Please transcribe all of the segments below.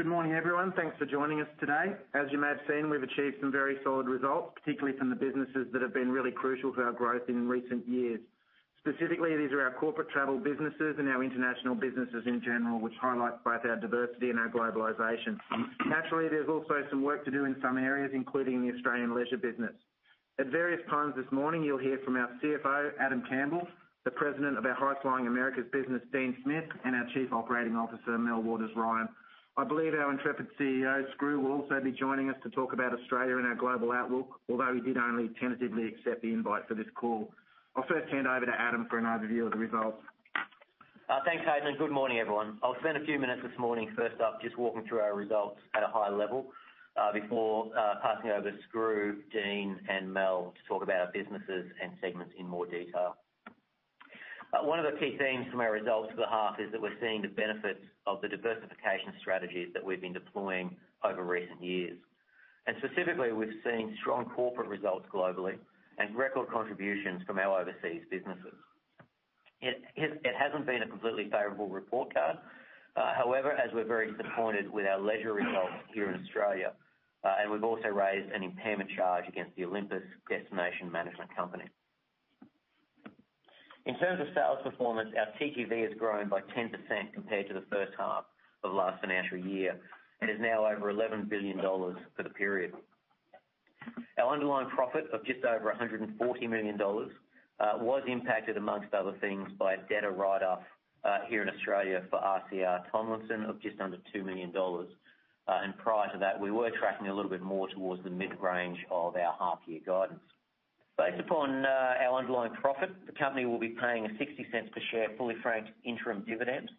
Good morning, everyone. Thanks for joining us today. As you may have seen, we've achieved some very solid results, particularly from the businesses that have been really crucial to our growth in recent years. Specifically, these are our Corporate travel businesses and our international businesses in general, which highlight both our diversity and our globalization. Naturally, there's also some work to do in some areas, including the Australian Leisure business. At various times this morning, you'll hear from our CFO, Adam Campbell, the President of our Flight Centre Americas business, Dean Smith, and our Chief Operating Officer, Melanie Waters-Ryan. I believe our intrepid CEO, Skroo, will also be joining us to talk about Australia and our global outlook, although he did only tentatively accept the invite for this call. I'll first hand over to Adam for an overview of the results. Thanks, Haydn. Good morning, everyone. I'll spend a few minutes this morning, first up, just walking through our results at a high level before passing over to Skroo, Dean, and Mel to talk about our businesses and segments in more detail. One of the key themes from our results for the half is that we're seeing the benefits of the diversification strategies that we've been deploying over recent years. And specifically, we've seen strong Corporate results globally and record contributions from our overseas businesses. It hasn't been a completely favorable report card. However, as we're very disappointed with our Leisure results here in Australia, and we've also raised an impairment charge against Olympus Destination Management Company. In terms of sales performance, our TTV has grown by 10% compared to the first half of last financial year and is now over 11 billion dollars for the period. Our underlying profit of just over 140 million dollars was impacted, among other things, by a debt write-off here in Australia for RCR Tomlinson of just under 2 million dollars, and prior to that, we were tracking a little bit more towards the mid-range of our half-year guidance. Based upon our underlying profit, the company will be paying a 0.60 per share fully franked interim dividend,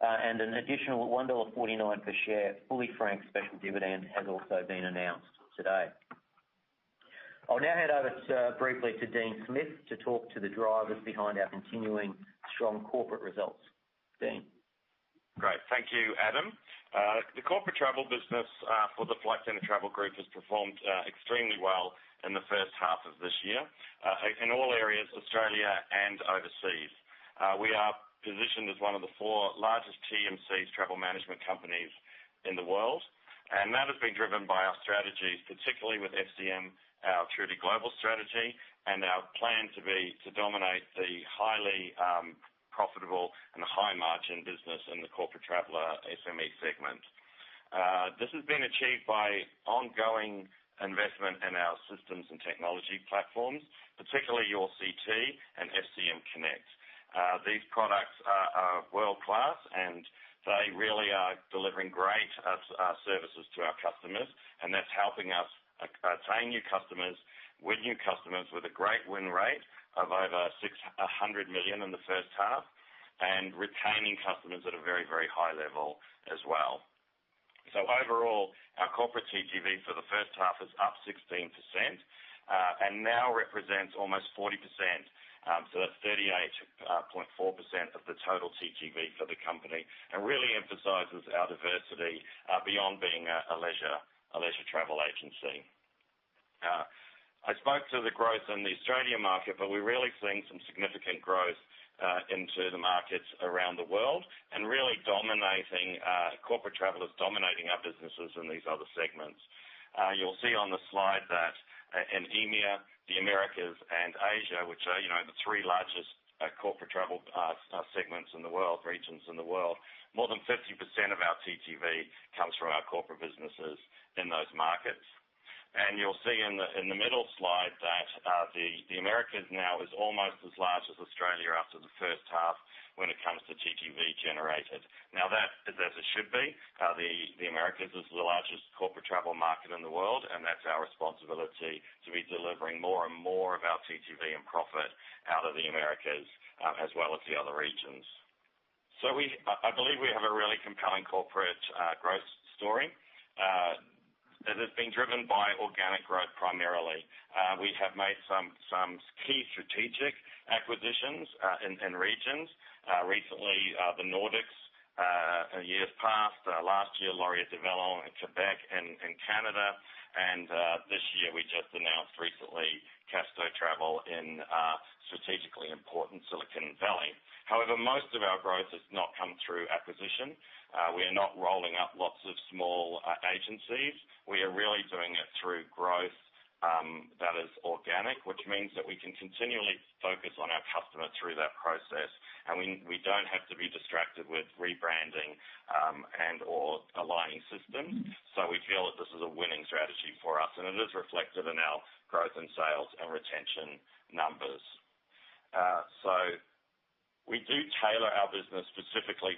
and an additional 1.49 dollar per share fully franked special dividend has also been announced today. I'll now hand over briefly to Dean Smith to talk to the drivers behind our continuing strong Corporate results. Dean. Great. Thank you, Adam. The Corporate travel business for the Flight Centre Travel Group has performed extremely well in the first half of this year in all areas, Australia and overseas. We are positioned as one of the four largest TMCs travel management companies in the world, and that has been driven by our strategies, particularly with FCM, our truly global strategy, and our plan to dominate the highly profitable and high-margin business in Corporate Traveller SME segment. This has been achieved by ongoing investment in our systems and technology platforms, particularly Your.CT and FCM Connect. These products are world-class, and they really are delivering great services to our customers, and that's helping us attain new customers with a great win rate of over 600 million in the first half and retaining customers at a very, very high level as well. So overall, our Corporate TTV for the first half is up 16% and now represents almost 40%. So that's 38.4% of the total TTV for the company and really emphasizes our diversity beyond being a Leisure travel agency. I spoke to the growth in the Australia market, but we're really seeing some significant growth into the markets around the world and really Corporate Travellers, dominating our businesses in these other segments. You'll see on the slide that in EMEA, the Americas, and Asia, which are the three largest Corporate travel segments in the world, regions in the world, more than 50% of our TTV comes from our Corporate businesses in those markets. And you'll see in the middle slide that the Americas now is almost as large as Australia after the first half when it comes to TTV generated. Now, that is as it should be. The Americas is the largest Corporate travel market in the world, and that's our responsibility to be delivering more and more of our TTV and profit out of the Americas as well as the other regions. So I believe we have a really compelling Corporate growth story that has been driven by organic growth primarily. We have made some key strategic acquisitions in regions. Recently, the Nordics in years past, last year, Laurier du Vallon in Quebec and Canada, and this year we just announced recently Casto Travel in strategically important Silicon Valley. However, most of our growth has not come through acquisition. We are not rolling up lots of small agencies. We are really doing it through growth that is organic, which means that we can continually focus on our customer through that process, and we don't have to be distracted with rebranding and/or aligning systems. We feel that this is a winning strategy for us, and it is reflected in our growth in sales and retention numbers. We do tailor our business specifically to customer types,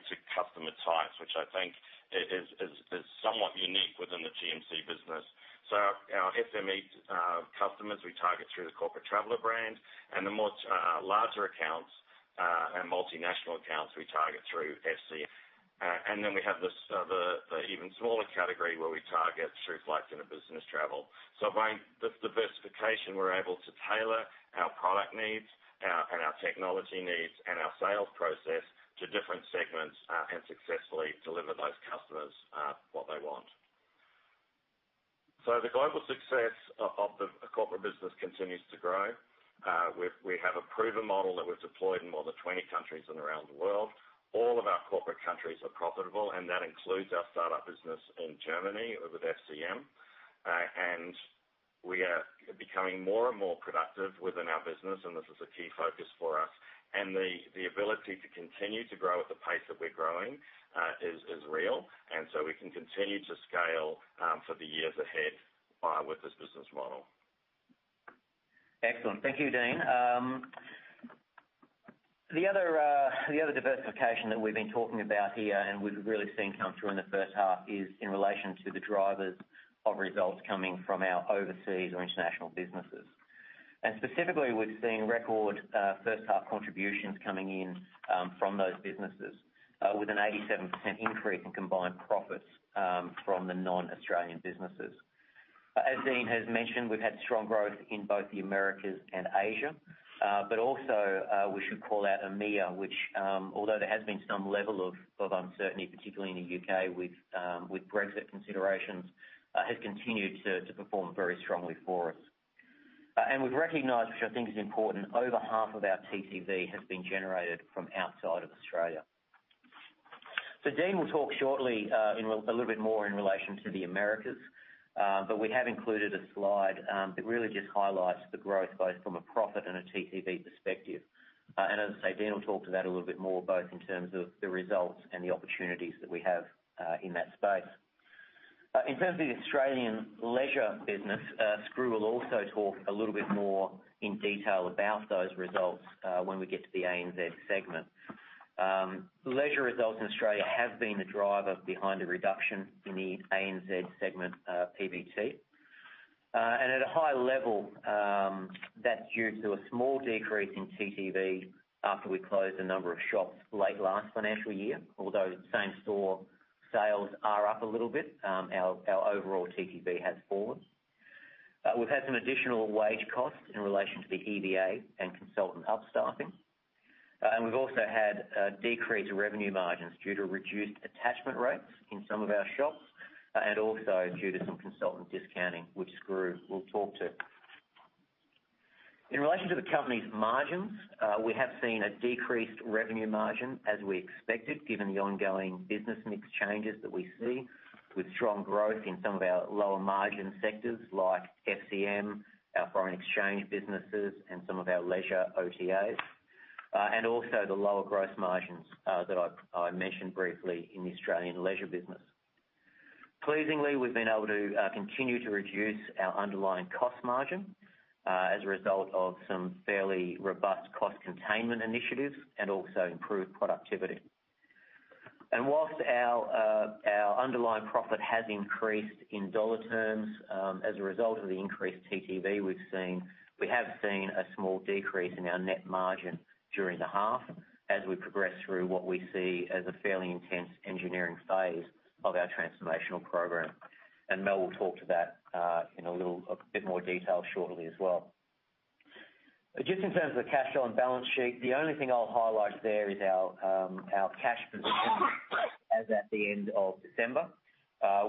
which I think is somewhat unique within the TMC business. Our SME customers, we target through the Corporate Traveller brand, and the more larger accounts and multinational accounts, we target through FCM. And then we have the even smaller category where we target through Flight Centre Business Travel. By this diversification, we're able to tailor our product needs and our technology needs and our sales process to different segments and successfully deliver those customers what they want. The global success of the Corporate business continues to grow. We have a proven model that we've deployed in more than 20 countries around the world. All of our Corporate countries are profitable, and that includes our startup business in Germany with FCM. And we are becoming more and more productive within our business, and this is a key focus for us. And the ability to continue to grow at the pace that we're growing is real, and so we can continue to scale for the years ahead with this business model. Excellent. Thank you, Dean. The other diversification that we've been talking about here and we've really seen come through in the first half is in relation to the drivers of results coming from our overseas or international businesses. Specifically, we've seen record first-half contributions coming in from those businesses with an 87% increase in combined profits from the non-Australian businesses. As Dean has mentioned, we've had strong growth in both the Americas and Asia, but also we should call out EMEA, which, although there has been some level of uncertainty, particularly in the UK with Brexit considerations, has continued to perform very strongly for us. We've recognized, which I think is important, over half of our TTV has been generated from outside of Australia. Dean will talk shortly a little bit more in relation to the Americas, but we have included a slide that really just highlights the growth both from a profit and a TTV perspective. As I say, Dean will talk to that a little bit more, both in terms of the results and the opportunities that we have in that space. In terms of the Australian Leisure business, Skroo will also talk a little bit more in detail about those results when we get to the ANZ segment. Leisure results in Australia have been the driver behind a reduction in the ANZ segment PBT. At a high level, that's due to a small decrease in TTV after we closed a number of shops late last financial year, although same-store sales are up a little bit. Our overall TTV has fallen. We've had some additional wage costs in relation to the EBA and consultant upstaffing, and we've also had decreased revenue margins due to reduced attachment rates in some of our shops and also due to some consultant discounting, which Skroo will talk to. In relation to the company's margins, we have seen a decreased revenue margin as we expected, given the ongoing business mix changes that we see with strong growth in some of our lower margin sectors like FCM, our foreign exchange businesses, and some of our Leisure OTAs, and also the lower gross margins that I mentioned briefly in the Australian Leisure business. Pleasingly, we've been able to continue to reduce our underlying cost margin as a result of some fairly robust cost containment initiatives and also improved productivity. While our underlying profit has increased in dollar terms as a result of the increased TTV we've seen, we have seen a small decrease in our net margin during the half as we progress through what we see as a fairly intense engineering phase of our transformational program. Mel will talk to that in a little bit more detail shortly as well. Just in terms of the cash flow and balance sheet, the only thing I'll highlight there is our cash position as at the end of December,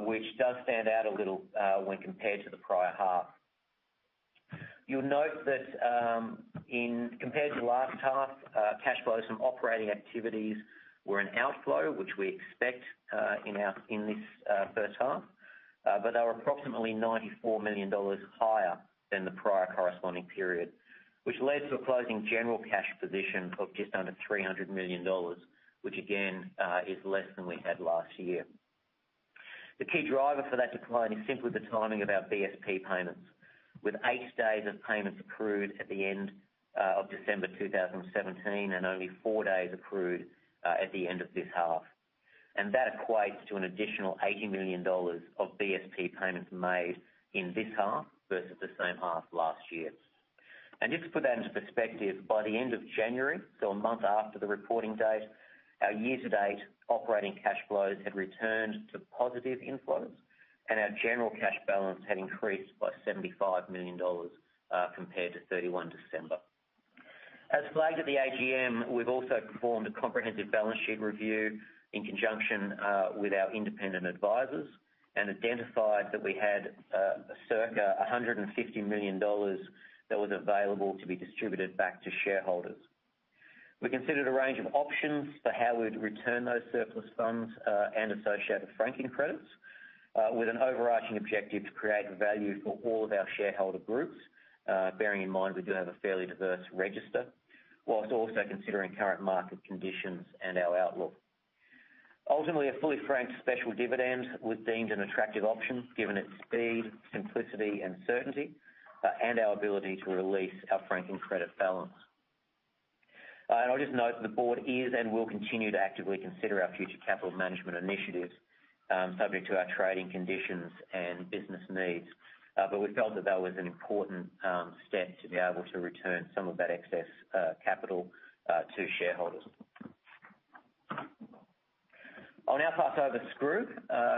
which does stand out a little when compared to the prior half. You'll note that compared to last half, cash flow from operating activities were an outflow, which we expect in this first half, but they were approximately 94 million dollars higher than the prior corresponding period, which led to a closing general cash position of just under 300 million dollars, which again is less than we had last year. The key driver for that decline is simply the timing of our BSP payments, with eight days of payments accrued at the end of December 2017 and only four days accrued at the end of this half. That equates to an additional 80 million dollars of BSP payments made in this half versus the same half last year. Just to put that into perspective, by the end of January, so a month after the reporting date, our year-to-date operating cash flows had returned to positive inflows, and our general cash balance had increased by 75 million dollars compared to 31 December. As flagged at the AGM, we've also performed a comprehensive balance sheet review in conjunction with our independent advisors and identified that we had circa 150 million dollars that was available to be distributed back to shareholders. We considered a range of options for how we'd return those surplus funds and associated franking credits with an overarching objective to create value for all of our shareholder groups, bearing in mind we do have a fairly diverse register, while also considering current market conditions and our outlook. Ultimately, a fully franked special dividend was deemed an attractive option given its speed, simplicity, and certainty, and our ability to release our franking credit balance, and I'll just note that the board is and will continue to actively consider our future capital management initiatives subject to our trading conditions and business needs, but we felt that that was an important step to be able to return some of that excess capital to shareholders. I'll now pass over Skroo,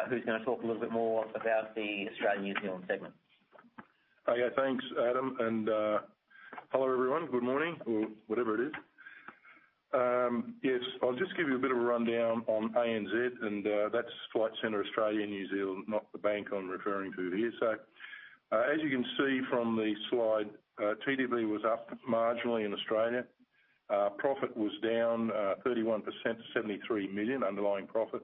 who's going to talk a little bit more about the Australia-New Zealand segment. Okay. Thanks, Adam. And hello, everyone. Good morning, or whatever it is. Yes. I'll just give you a bit of a rundown on ANZ, and that's Flight Centre Australia, New Zealand, not the bank I'm referring to here. So as you can see from the slide, TTV was up marginally in Australia. Profit was down 31% to 73 million, underlying profit.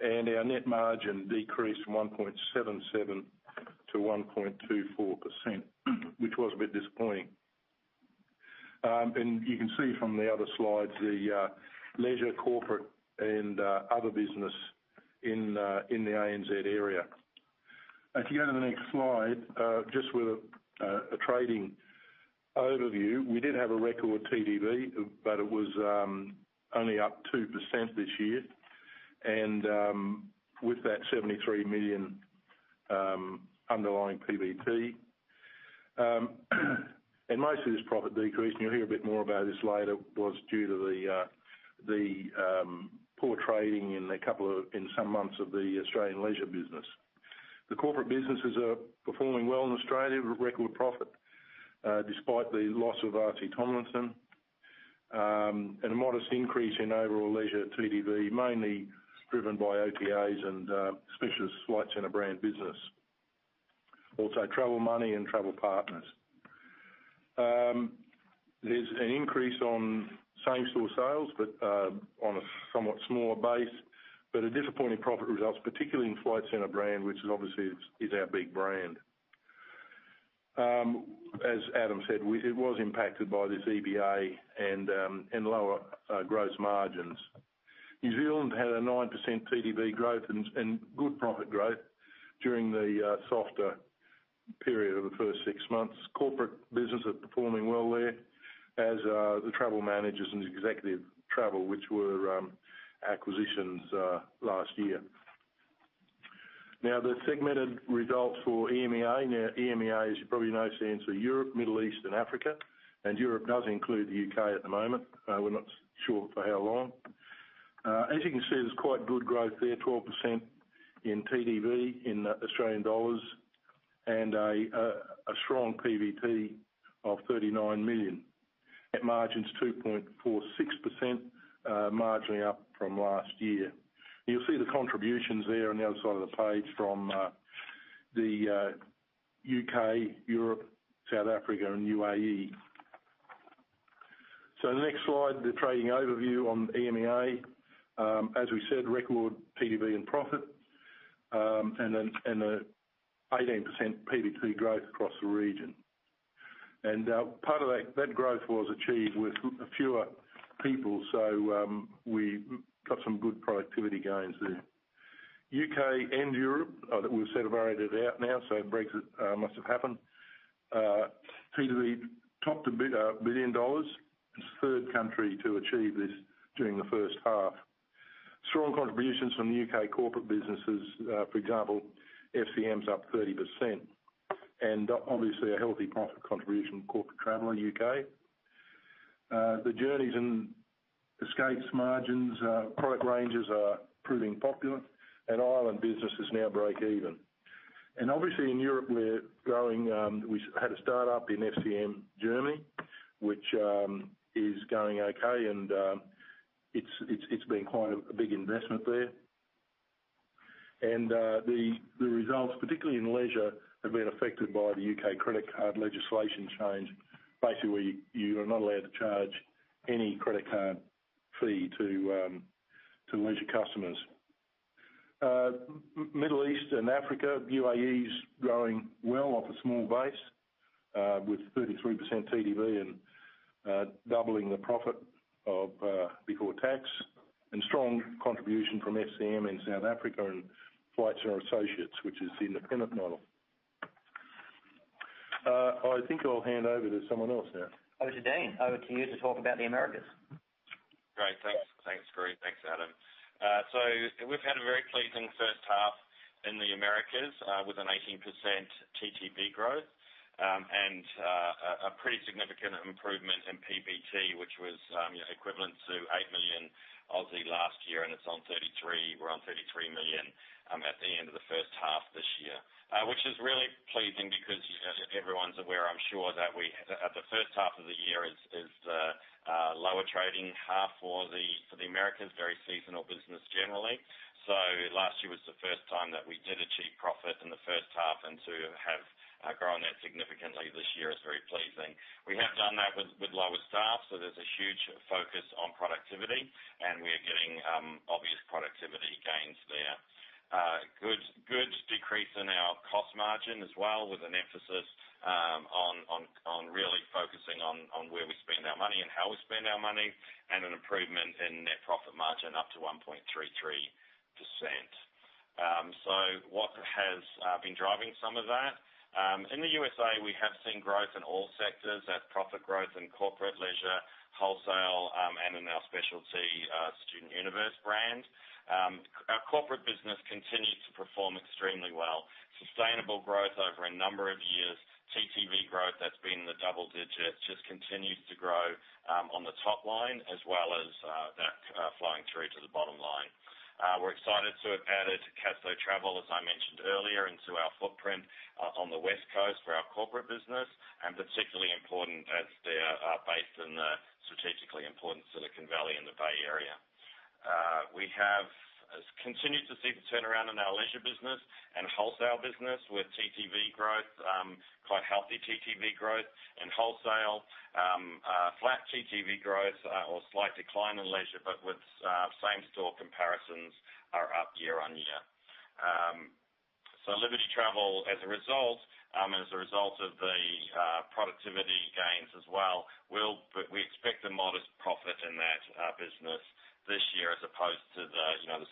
And our net margin decreased 1.77% to 1.24%, which was a bit disappointing. And you can see from the other slides the Leisure, Corporate, and other business in the ANZ area. If you go to the next slide, just with a trading overview, we did have a record TTV, but it was only up 2% this year. And with that 73 million underlying PBT, and most of this profit decreased, and you'll hear a bit more about this later, was due to the poor trading in some months of the Australian Leisure business. The Corporate businesses are performing well in Australia with record profit despite the loss of RCR Tomlinson and a modest increase in overall Leisure TTV, mainly driven by OTAs and especially the Flight Centre brand business, also Travel Money and Travel Partners. There's an increase on same-store sales but on a somewhat smaller base, but a disappointing profit result, particularly in Flight Centre brand, which obviously is our big brand. As Adam said, it was impacted by this EBA and lower gross margins. New Zealand had a 9% TTV growth and good profit growth during the softer period of the first six months. Corporate business is performing well there as the Travel Managers and Executive Travel, which were acquisitions last year. Now, the segmented results for EMEA. EMEA is, you probably know the answer, Europe, Middle East, and Africa, and Europe does include the UK at the moment. We're not sure for how long. As you can see, there's quite good growth there, 12% in TTV in AUD and a strong PBT of 39 million. Net margin's 2.46%, marginally up from last year. You'll see the contributions there on the other side of the page from the UK, Europe, South Africa, and UAE, so the next slide, the trading overview on EMEA. As we said, record TTV and profit and an 18% PBT growth across the region, and part of that growth was achieved with fewer people, so we got some good productivity gains there. UK and Europe that we've sort of varied it out now, so Brexit must have happened. TTV topped 1 billion dollars. It's the third country to achieve this during the first half. Strong contributions from the UK Corporate businesses. For example, FCM's up 30% and obviously a healthy profit contribution from Corporate travel in the UK. The Journeys and Escapes margins, product ranges are proving popular, and Ireland businesses now break even. And obviously in Europe, we're growing. We had a startup in FCM Germany, which is going okay, and it's been quite a big investment there. And the results, particularly in Leisure, have been affected by the UK credit card legislation change. Basically, you are not allowed to charge any credit card fee to Leisure customers. Middle East and Africa, UAE is growing well off a small base with 33% TTV and doubling the profit before tax and strong contribution from FCM in South Africa and Flight Centre Associates, which is the independent model. I think I'll hand over to someone else now. Over to Dean. Over to you to talk about the Americas. Great. Thanks, Skroo. Thanks, Adam. So we've had a very pleasing first half in the Americas with an 18% TTV growth and a pretty significant improvement in PBT, which was equivalent to 8 million last year, and it's on 33. We're on 33 million at the end of the first half this year, which is really pleasing because everyone's aware, I'm sure, that the first half of the year is the lower trading half for the Americas, very seasonal business generally. So last year was the first time that we did achieve profit in the first half, and to have grown that significantly this year is very pleasing. We have done that with lower staff, so there's a huge focus on productivity, and we are getting obvious productivity gains there. Good decrease in our cost margin as well, with an emphasis on really focusing on where we spend our money and how we spend our money and an improvement in net profit margin up to 1.33%. So what has been driving some of that? In the USA, we have seen growth in all sectors and profit growth in Corporate, Leisure, wholesale, and in our specialty StudentUniverse brand. Our Corporate business continues to perform extremely well. Sustainable growth over a number of years. TTV growth that's been in the double digit just continues to grow on the top line as well as that flowing through to the bottom line. We're excited to have added Casto Travel, as I mentioned earlier, into our footprint on the West Coast for our Corporate business and particularly important as they are based in the strategically important Silicon Valley and the Bay Area. We have continued to see the turnaround in our Leisure business and wholesale business with TTV growth, quite healthy TTV growth, and wholesale, flat TTV growth or slight decline in Leisure, but with same-store comparisons are up year-on-year, so Liberty Travel, as a result, as a result of the productivity gains as well, we expect a modest profit in that business this year as opposed to the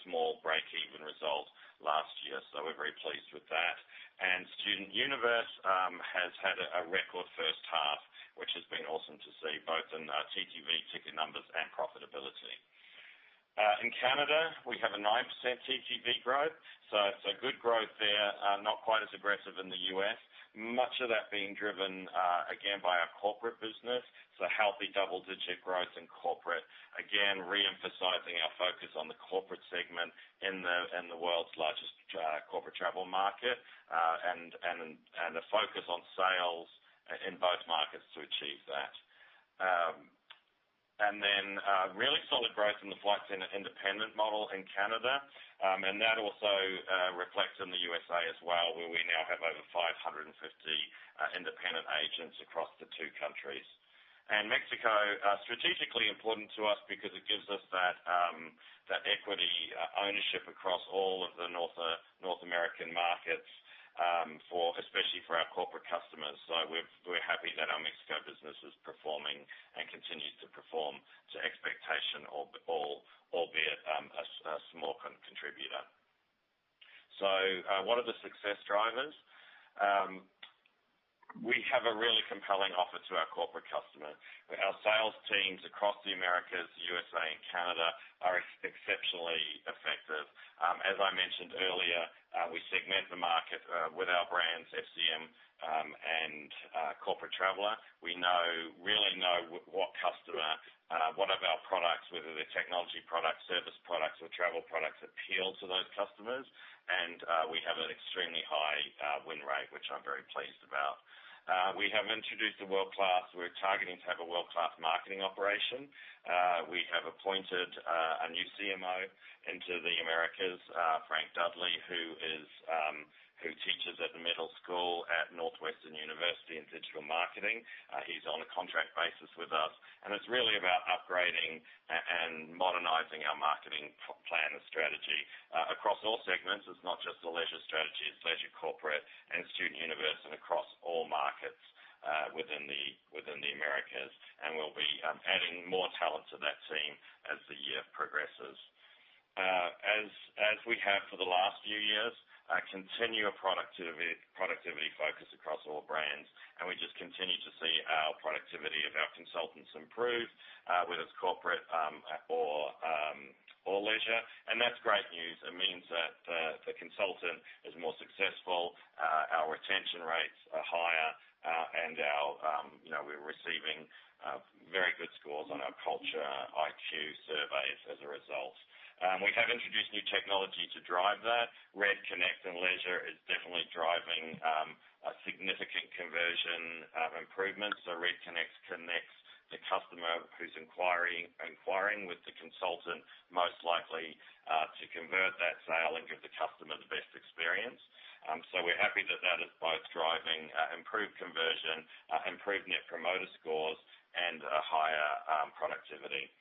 small break-even result last year, so we're very pleased with that, and StudentUniverse has had a record first half, which has been awesome to see both in TTV ticket numbers and profitability. In Canada, we have a 9% TTV growth, so it's a good growth there, not quite as aggressive in the U.S., much of that being driven again by our Corporate business. So healthy double-digit growth in Corporate, again re-emphasizing our focus on the Corporate segment in the world's largest Corporate travel market and a focus on sales in both markets to achieve that. And then really solid growth in the Flight Centre Independent model in Canada, and that also reflects in the USA as well, where we now have over 550 independent agents across the two countries. And Mexico, strategically important to us because it gives us that equity ownership across all of the North American markets, especially for our Corporate customers. So we're happy that our Mexico business is performing and continues to perform to expectation, albeit a small contributor. So what are the success drivers? We have a really compelling offer to our Corporate customers. Our sales teams across the Americas, USA, and Canada are exceptionally effective. As I mentioned earlier, we segment the market with our brands, FCM and Corporate Traveller. We really know what customer, what of our products, whether they're technology products, service products, or travel products, appeal to those customers, and we have an extremely high win rate, which I'm very pleased about. We have introduced a world-class. We're targeting to have a world-class marketing operation. We have appointed a new CMO into the Americas, Frank Dudley, who teaches at the Medill School at Northwestern University in digital marketing. He's on a contract basis with us, and it's really about upgrading and modernizing our marketing plan and strategy across all segments. It's not just the Leisure strategy. It's Leisure, Corporate, and StudentUniverse and across all markets within the Americas, and we'll be adding more talent to that team as the year progresses. As we have for the last few years, continue a productivity focus across all brands, and we just continue to see our productivity of our consultants improve, whether it's Corporate or Leisure. And that's great news. It means that the consultant is more successful, our retention rates are higher, and we're receiving very good scores on our CultureIQ surveys as a result. We have introduced new technology to drive that. Red Connect and Leisure is definitely driving a significant conversion improvement. So Red Connect connects the customer who's inquiring with the consultant most likely to convert that sale and give the customer the best experience. So we're happy that that is both driving improved conversion, improved net promoter scores, and higher productivity.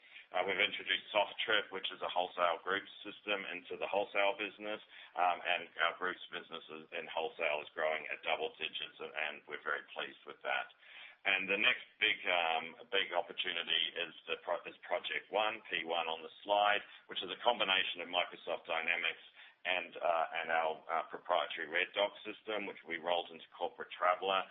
We've introduced Softrip, which is a wholesale group system into the wholesale business, and our group's business in wholesale is growing at double digits, and we're very pleased with that. And the next big opportunity is Project One, P1 on the slide, which is a combination of Microsoft Dynamics and our proprietary RedDoc system, which we rolled into Corporate Traveller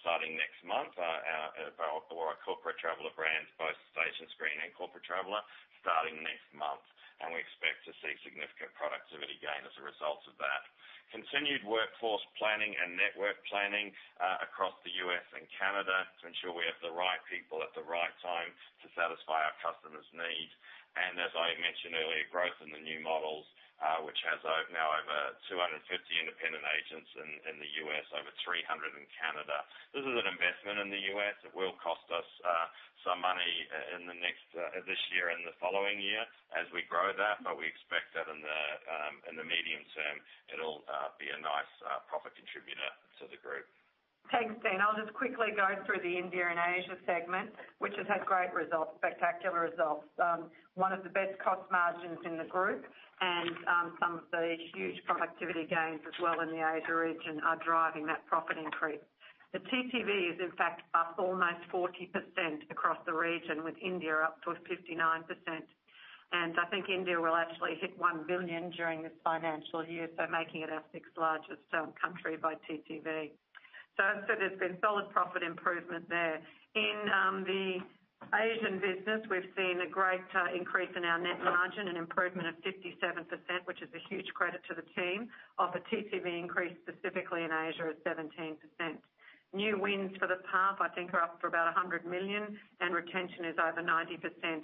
starting next month, or a Corporate Traveller brand, both Stage and Screen and Corporate Traveller starting next month. And we expect to see significant productivity gain as a result of that. Continued workforce planning and network planning across the U.S. and Canada to ensure we have the right people at the right time to satisfy our customers' needs. And as I mentioned earlier, growth in the new models, which has now over 250 independent agents in the U.S., over 300 in Canada. This is an investment in the U.S. It will cost us some money this year and the following year as we grow that, but we expect that in the medium term, it'll be a nice profit contributor to the group. Thanks, Dean. I'll just quickly go through the India and Asia segment, which has had great results, spectacular results. One of the best cost margins in the group, and some of the huge productivity gains as well in the Asia region are driving that profit increase. The TTV is, in fact, up almost 40% across the region, with India up to 59%. And I think India will actually hit 1 billion during this financial year, so making it our sixth largest country by TTV. So there's been solid profit improvement there. In the Asian business, we've seen a great increase in our net margin, an improvement of 57%, which is a huge credit to the team. Our TTV increase specifically in Asia is 17%. New wins for the path, I think, are up for about 100 million, and retention is over 90%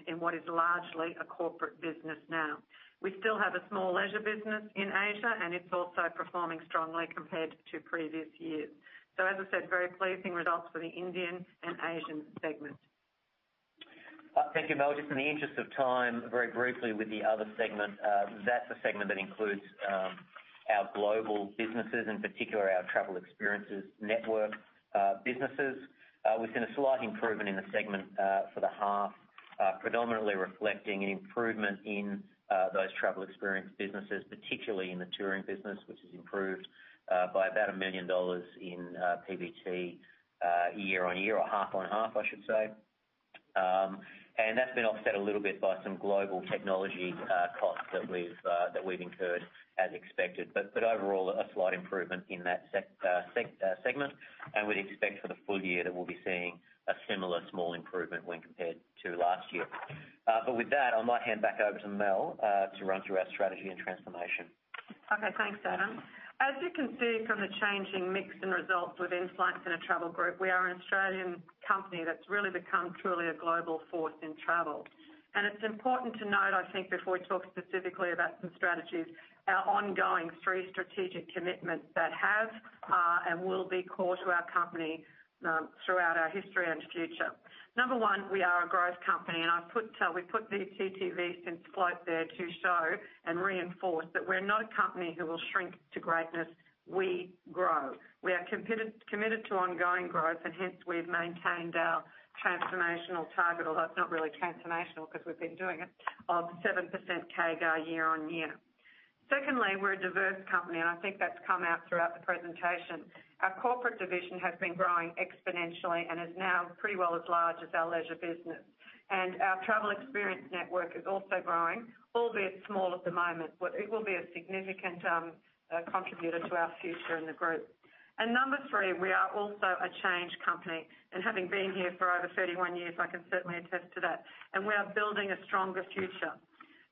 in what is largely a Corporate business now. We still have a small Leisure business in Asia, and it's also performing strongly compared to previous years. So as I said, very pleasing results for the Indian and Asian segment. Thank you both. Just in the interest of time, very briefly with the other segment, that's a segment that includes our global businesses, in Travel Experience Network businesses. we've seen a slight improvement in the segment for the half, predominantly reflecting an improvement in those travel experience businesses, particularly in the touring business, which has improved by about 1 million dollars in PBT year-on-year, or half-on-half, I should say. And that's been offset a little bit by some global technology costs that we've incurred as expected, but overall, a slight improvement in that segment. And we'd expect for the full year that we'll be seeing a similar small improvement when compared to last year. But with that, I might hand back over to Mel to run through our strategy and transformation. Okay, thanks, Adam. As you can see from the changing mix and results within Flight Centre Travel Group, we are an Australian company that's really become truly a global force in travel. And it's important to note, I think, before we talk specifically about some strategies, our ongoing three strategic commitments that have and will be core to our company throughout our history and future. Number one, we are a growth company, and we put the TTV since float there to show and reinforce that we're not a company who will shrink to greatness. We grow. We are committed to ongoing growth, and hence we've maintained our transformational target, although it's not really transformational because we've been doing it, of 7% CAGR year-on-year. Secondly, we're a diverse company, and I think that's come out throughout the presentation. Our Corporate division has been growing exponentially and is now pretty well as large as our Leisure business, and our Travel Experience Network is also growing, albeit small at the moment, but it will be a significant contributor to our future in the group, and number three, we are also a change company, and having been here for over 31 years, I can certainly attest to that, and we are building a stronger future.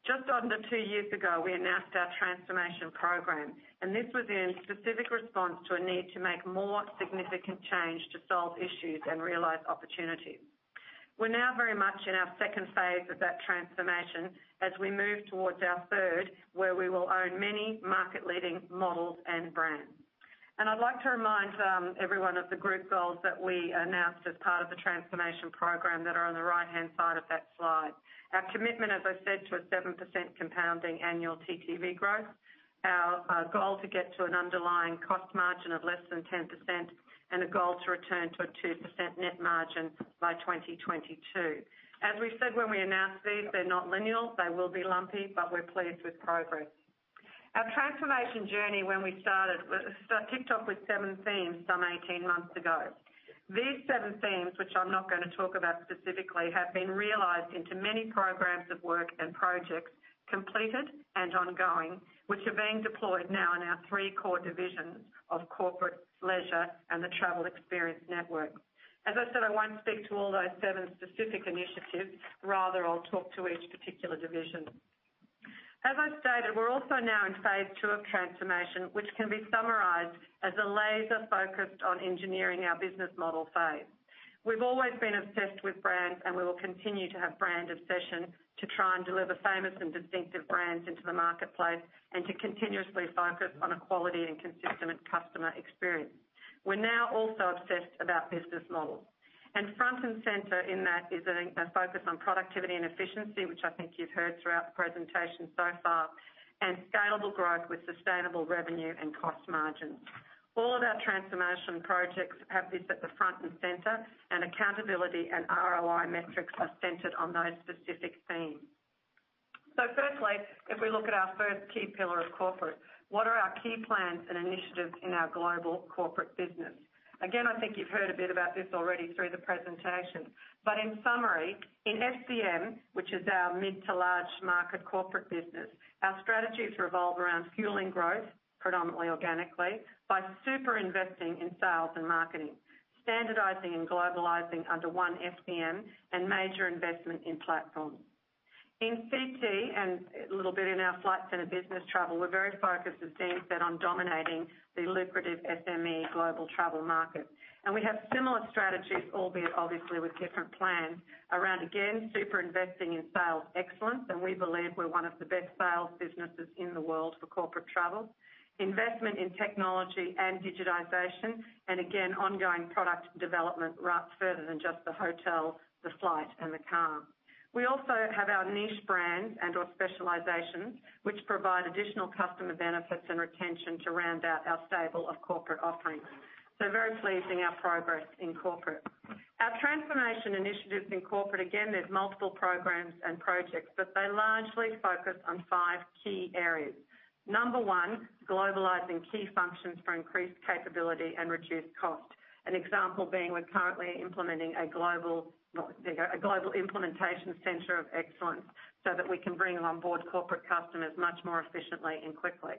Just under two years ago, we announced our transformation program, and this was in specific response to a need to make more significant change to solve issues and realize opportunities. We're now very much in our second phase of that transformation as we move towards our third, where we will own many market-leading models and brands. I'd like to remind everyone of the group goals that we announced as part of the transformation program that are on the right-hand side of that slide. Our commitment, as I said, to a 7% compounding annual TTV growth, our goal to get to an underlying cost margin of less than 10%, and a goal to return to a 2% net margin by 2022. As we said when we announced these, they're not linear. They will be lumpy, but we're pleased with progress. Our transformation journey, when we started, ticked off with seven themes some 18 months ago. These seven themes, which I'm not going to talk about specifically, have been realized into many programs of work and projects completed and ongoing, which are being deployed now in our three core divisions of Corporate, Leisure, and the Travel Experience Network. As I said, I won't speak to all those seven specific initiatives. Rather, I'll talk to each particular division. As I stated, we're also now in phase two of transformation, which can be summarized as a laser-focused on engineering our business model phase. We've always been obsessed with brands, and we will continue to have brand obsession to try and deliver famous and distinctive brands into the marketplace and to continuously focus on a quality and consistent customer experience. We're now also obsessed about business models, and front and center in that is a focus on productivity and efficiency, which I think you've heard throughout the presentation so far, and scalable growth with sustainable revenue and cost margins. All of our transformation projects have this at the front and center, and accountability and ROI metrics are centered on those specific themes. So firstly, if we look at our first key pillar of Corporate, what are our key plans and initiatives in our Global Corporate business? Again, I think you've heard a bit about this already through the presentation. But in summary, in FCM, which is our mid to large market Corporate business, our strategies revolve around fueling growth, predominantly organically, by super investing in sales and marketing, standardizing and globalizing under one FCM, and major investment in platforms. In CT, and a little bit in our Flight Centre business travel, we're very focused, as Dean said, on dominating the lucrative SME global travel market. And we have similar strategies, albeit obviously with different plans around, again, super investing in sales excellence, and we believe we're one of the best sales businesses in the world for Corporate travel, investment in technology and digitization, and again, ongoing product development, right further than just the hotel, the flight, and the car. We also have our niche brands and/or specializations, which provide additional customer benefits and retention to round out our stable of Corporate offerings. So very pleased in our progress in Corporate. Our transformation initiatives in Corporate, again, there's multiple programs and projects, but they largely focus on five key areas. Number one, globalizing key functions for increased capability and reduced cost. An example being we're currently implementing a global implementation center of excellence so that we can bring on board Corporate customers much more efficiently and quickly.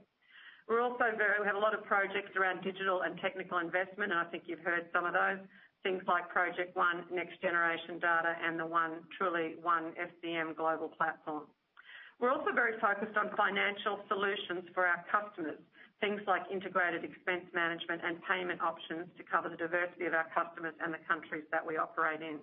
We're also very—we have a lot of projects around digital and technical investment, and I think you've heard some of those, things like Project One, Next Generation Data, and the truly one FCM global platform. We're also very focused on financial solutions for our customers, things like integrated expense management and payment options to cover the diversity of our customers and the countries that we operate in.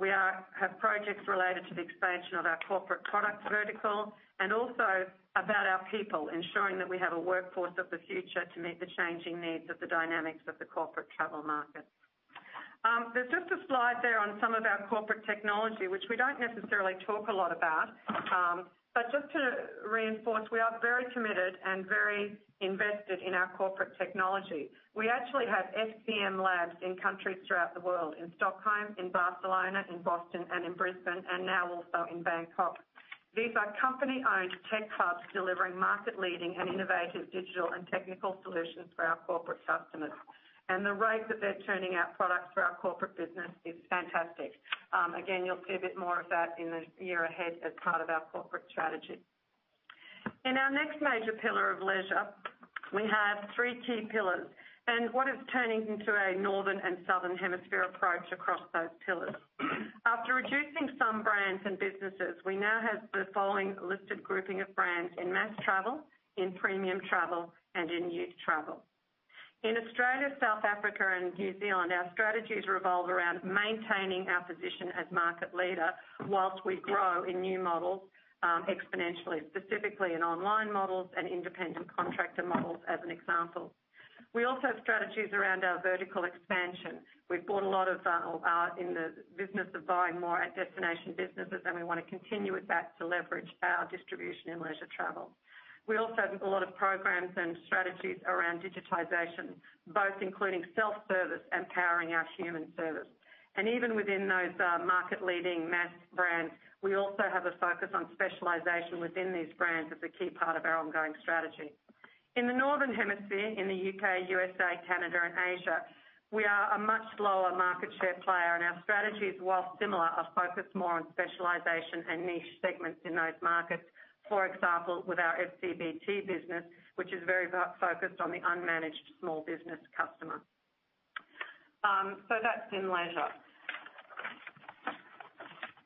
We have projects related to the expansion of our Corporate product vertical and also about our people, ensuring that we have a workforce of the future to meet the changing needs of the dynamics of the Corporate travel market. There's just a slide there on some of our Corporate technology, which we don't necessarily talk a lot about, but just to reinforce, we are very committed and very invested in our Corporate technology. We actually have FCM Labs in countries throughout the world, in Stockholm, in Barcelona, in Boston, and in Brisbane, and now also in Bangkok. These are company-owned tech hubs delivering market-leading and innovative digital and technical solutions for our Corporate customers. And the rate that they're turning out products for our Corporate business is fantastic. Again, you'll see a bit more of that in the year ahead as part of our Corporate strategy. In our next major pillar of Leisure, we have three key pillars. And what is turning into a northern and southern hemisphere approach across those pillars? After reducing some brands and businesses, we now have the following listed grouping of brands in mass travel, in premium travel, and in youth travel. In Australia, South Africa, and New Zealand, our strategies revolve around maintaining our position as market leader while we grow in new models exponentially, specifically in online models and independent contractor models as an example. We also have strategies around our vertical expansion. We've bought a lot. We're in the business of buying more at-destination businesses, and we want to continue with that to leverage our distribution in Leisure travel. We also have a lot of programs and strategies around digitization, both including self-service and powering our human service, and even within those market-leading mass brands, we also have a focus on specialization within these brands as a key part of our ongoing strategy. In the northern hemisphere in the U.K., USA, Canada, and Asia, we are a much lower market share player, and our strategies, while similar, are focused more on specialization and niche segments in those markets, for example, with our FCBT business, which is very focused on the unmanaged small business customer. So that's in Leisure.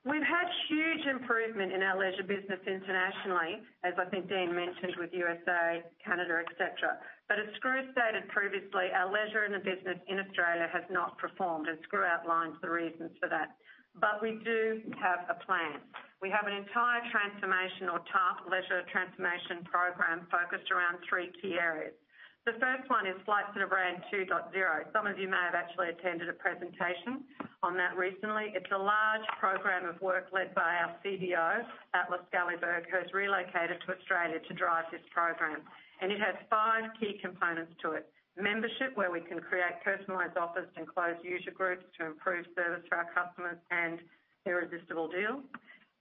We've had huge improvement in our Leisure business internationally, as I think Dean mentioned with USA, Canada, etc. But as Skroo stated previously, our Leisure in the business in Australia has not performed, and Skroo outlines the reasons for that. But we do have a plan. We have an entire transformational Leisure transformation program focused around three key areas. The first one is Flight Centre Brand 2.0. Some of you may have actually attended a presentation on that recently. It's a large program of work led by our CBO, Atle Skalleberg, who has relocated to Australia to drive this program, and it has five key components to it: membership, where we can create personalized offers and close user groups to improve service for our customers and irresistible deals,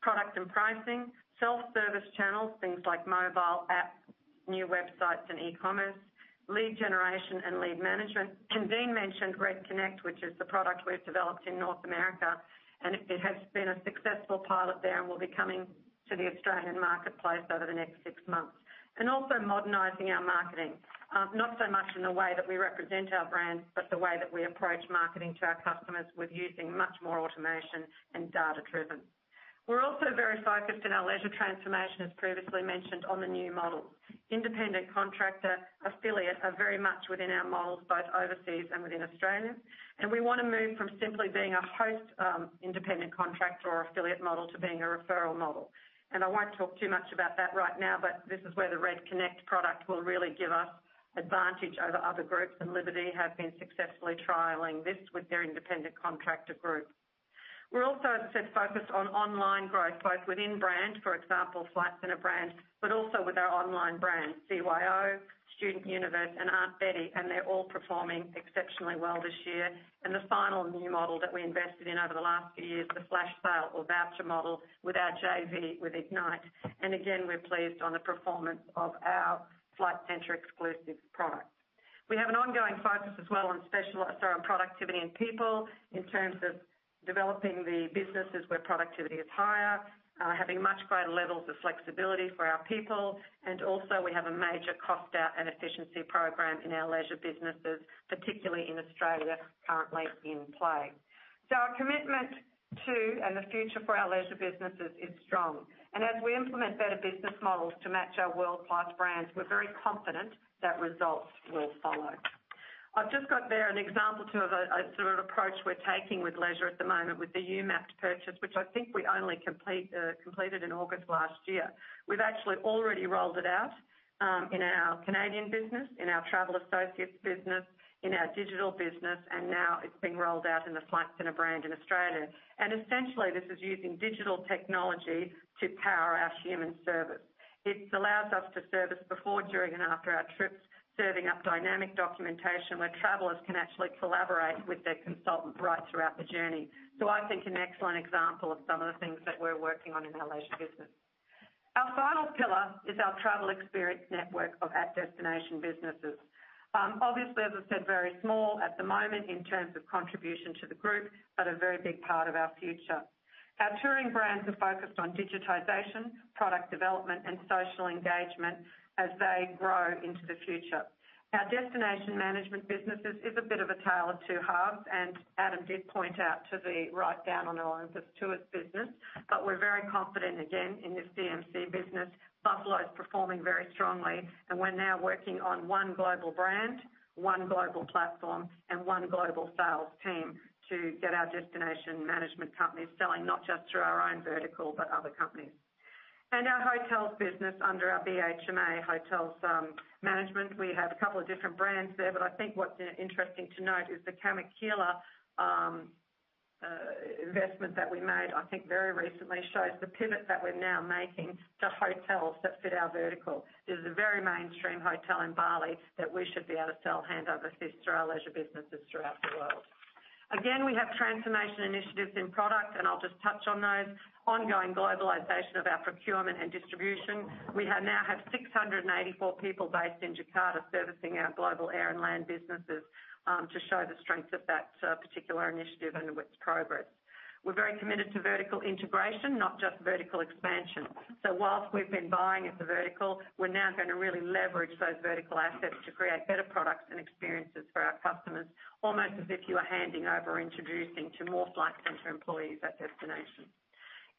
product and pricing, self-service channels, things like mobile apps, new websites, and e-commerce, lead generation and lead management, and Dean mentioned Red Connect, which is the product we've developed in North America, and it has been a successful pilot there and will be coming to the Australian marketplace over the next six months, and also modernizing our marketing, not so much in the way that we represent our brand, but the way that we approach marketing to our customers with using much more automation and data-driven. We're also very focused in our Leisure transformation, as previously mentioned, on the new models. Independent contractor, affiliate are very much within our models, both overseas and within Australia. We want to move from simply being a host independent contractor or affiliate model to being a referral model. I won't talk too much about that right now, but this is where the Red Connect product will really give us advantage over other groups, and Liberty have been successfully trialing this with their independent contractor group. We're also, as I said, focused on online growth, both within brand, for example, Flight Centre Brand, but also with our online brand, BYO, StudentUniverse, and Aunt Betty, and they're all performing exceptionally well this year. The final new model that we invested in over the last few years, the flash sale or voucher model with our JV with Ignite. Again, we're pleased on the performance of our Flight Centre Exclusives product. We have an ongoing focus as well on productivity and people in terms of developing the businesses where productivity is higher, having much greater levels of flexibility for our people, and also we have a major cost out and efficiency program in our Leisure businesses, particularly in Australia, currently in play, so our commitment to and the future for our Leisure businesses is strong, and as we implement better business models to match our world-class brands, we're very confident that results will follow. I've just got there an example too of a sort of approach we're taking with Leisure at the moment with the Umapped purchase, which I think we only completed in August last year. We've actually already rolled it out in our Canadian business, in our Travel Associates business, in our digital business, and now it's being rolled out in the Flight Centre Brand in Australia. Essentially, this is using digital technology to power our human service. It allows us to service before, during, and after our trips, serving up dynamic documentation where travelers can actually collaborate with their consultant right throughout the journey. So I think an excellent example of some of the things that we're working on in our Leisure business. Our final pillar is our Travel Experience Network of at-destination businesses. Obviously, as I said, very small at the moment in terms of contribution to the group, but a very big part of our future. Our touring brands are focused on digitization, product development, and social engagement as they grow into the future. Our destination management businesses is a bit of a tale of two halves, and Adam did point out the write-down on Olympus Tours business, but we're very confident, again, in this DMC business. Buffalo is performing very strongly, and we're now working on one global brand, one global platform, and one global sales team to get our destination management companies selling not just through our own vertical, but other companies. Our hotels business under our BHMA Hotels management, we have a couple of different brands there, but I think what's interesting to note is the Camakila investment that we made, I think very recently, shows the pivot that we're now making to hotels that fit our vertical. This is a very mainstream hotel in Bali that we should be able to sell to our Leisure businesses throughout the world. Again, we have transformation initiatives in product, and I'll just touch on those. Ongoing globalization of our procurement and distribution. We now have 684 people based in Jakarta servicing our global air and land businesses to show the strength of that particular initiative and its progress. We're very committed to vertical integration, not just vertical expansion. So while we've been buying at the vertical, we're now going to really leverage those vertical assets to create better products and experiences for our customers, almost as if you were handing over or introducing to more Flight Centre employees at destination.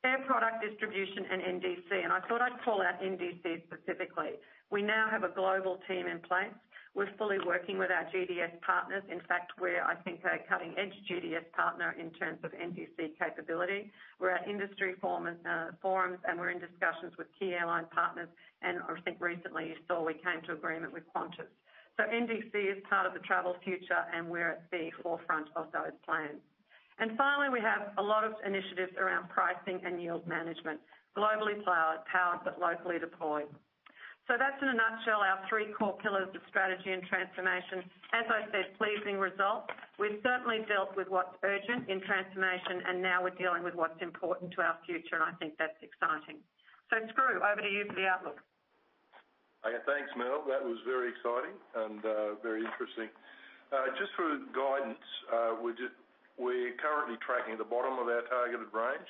Air product distribution and NDC, and I thought I'd call out NDC specifically. We now have a global team in place. We're fully working with our GDS partners. In fact, we're, I think, a cutting-edge GDS partner in terms of NDC capability. We're at industry forums, and we're in discussions with key airline partners, and I think recently you saw we came to agreement with Qantas. NDC is part of the travel future, and we're at the forefront of those plans. And finally, we have a lot of initiatives around pricing and yield management, globally powered, but locally deployed. That's in a nutshell our three core pillars of strategy and transformation. As I said, pleasing results. We've certainly dealt with what's urgent in transformation, and now we're dealing with what's important to our future, and I think that's exciting. Skroo, over to you for the outlook. Okay, thanks, Mel. That was very exciting and very interesting. Just for guidance, we're currently tracking the bottom of our targeted range,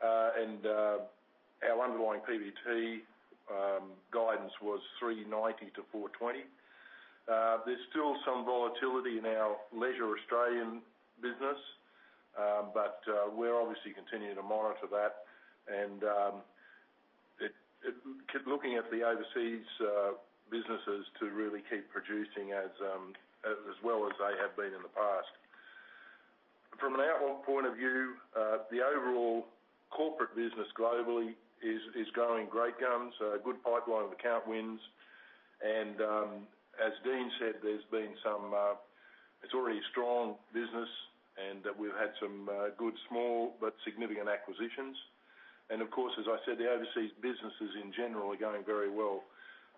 and our underlying PBT guidance was 390-420. There's still some volatility in our Leisure Australian business, but we're obviously continuing to monitor that. And looking at the overseas businesses to really keep producing as well as they have been in the past. From an outlook point of view, the overall Corporate business globally is going great guns, a good pipeline of account wins, and as Dean said, there's been some, it's already a strong business, and we've had some good small but significant acquisitions, and of course, as I said, the overseas businesses in general are going very well,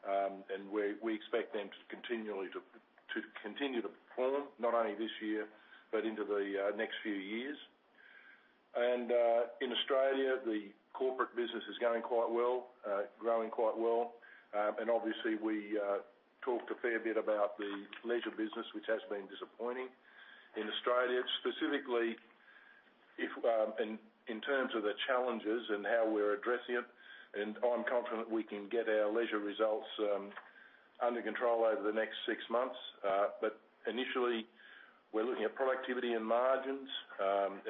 and we expect them to continue to perform, not only this year but into the next few years, and in Australia, the Corporate business is going quite well, growing quite well, and obviously, we talked a fair bit about the Leisure business, which has been disappointing in Australia, specifically in terms of the challenges and how we're addressing it, and I'm confident we can get our Leisure results under control over the next six months. But initially, we're looking at productivity and margins,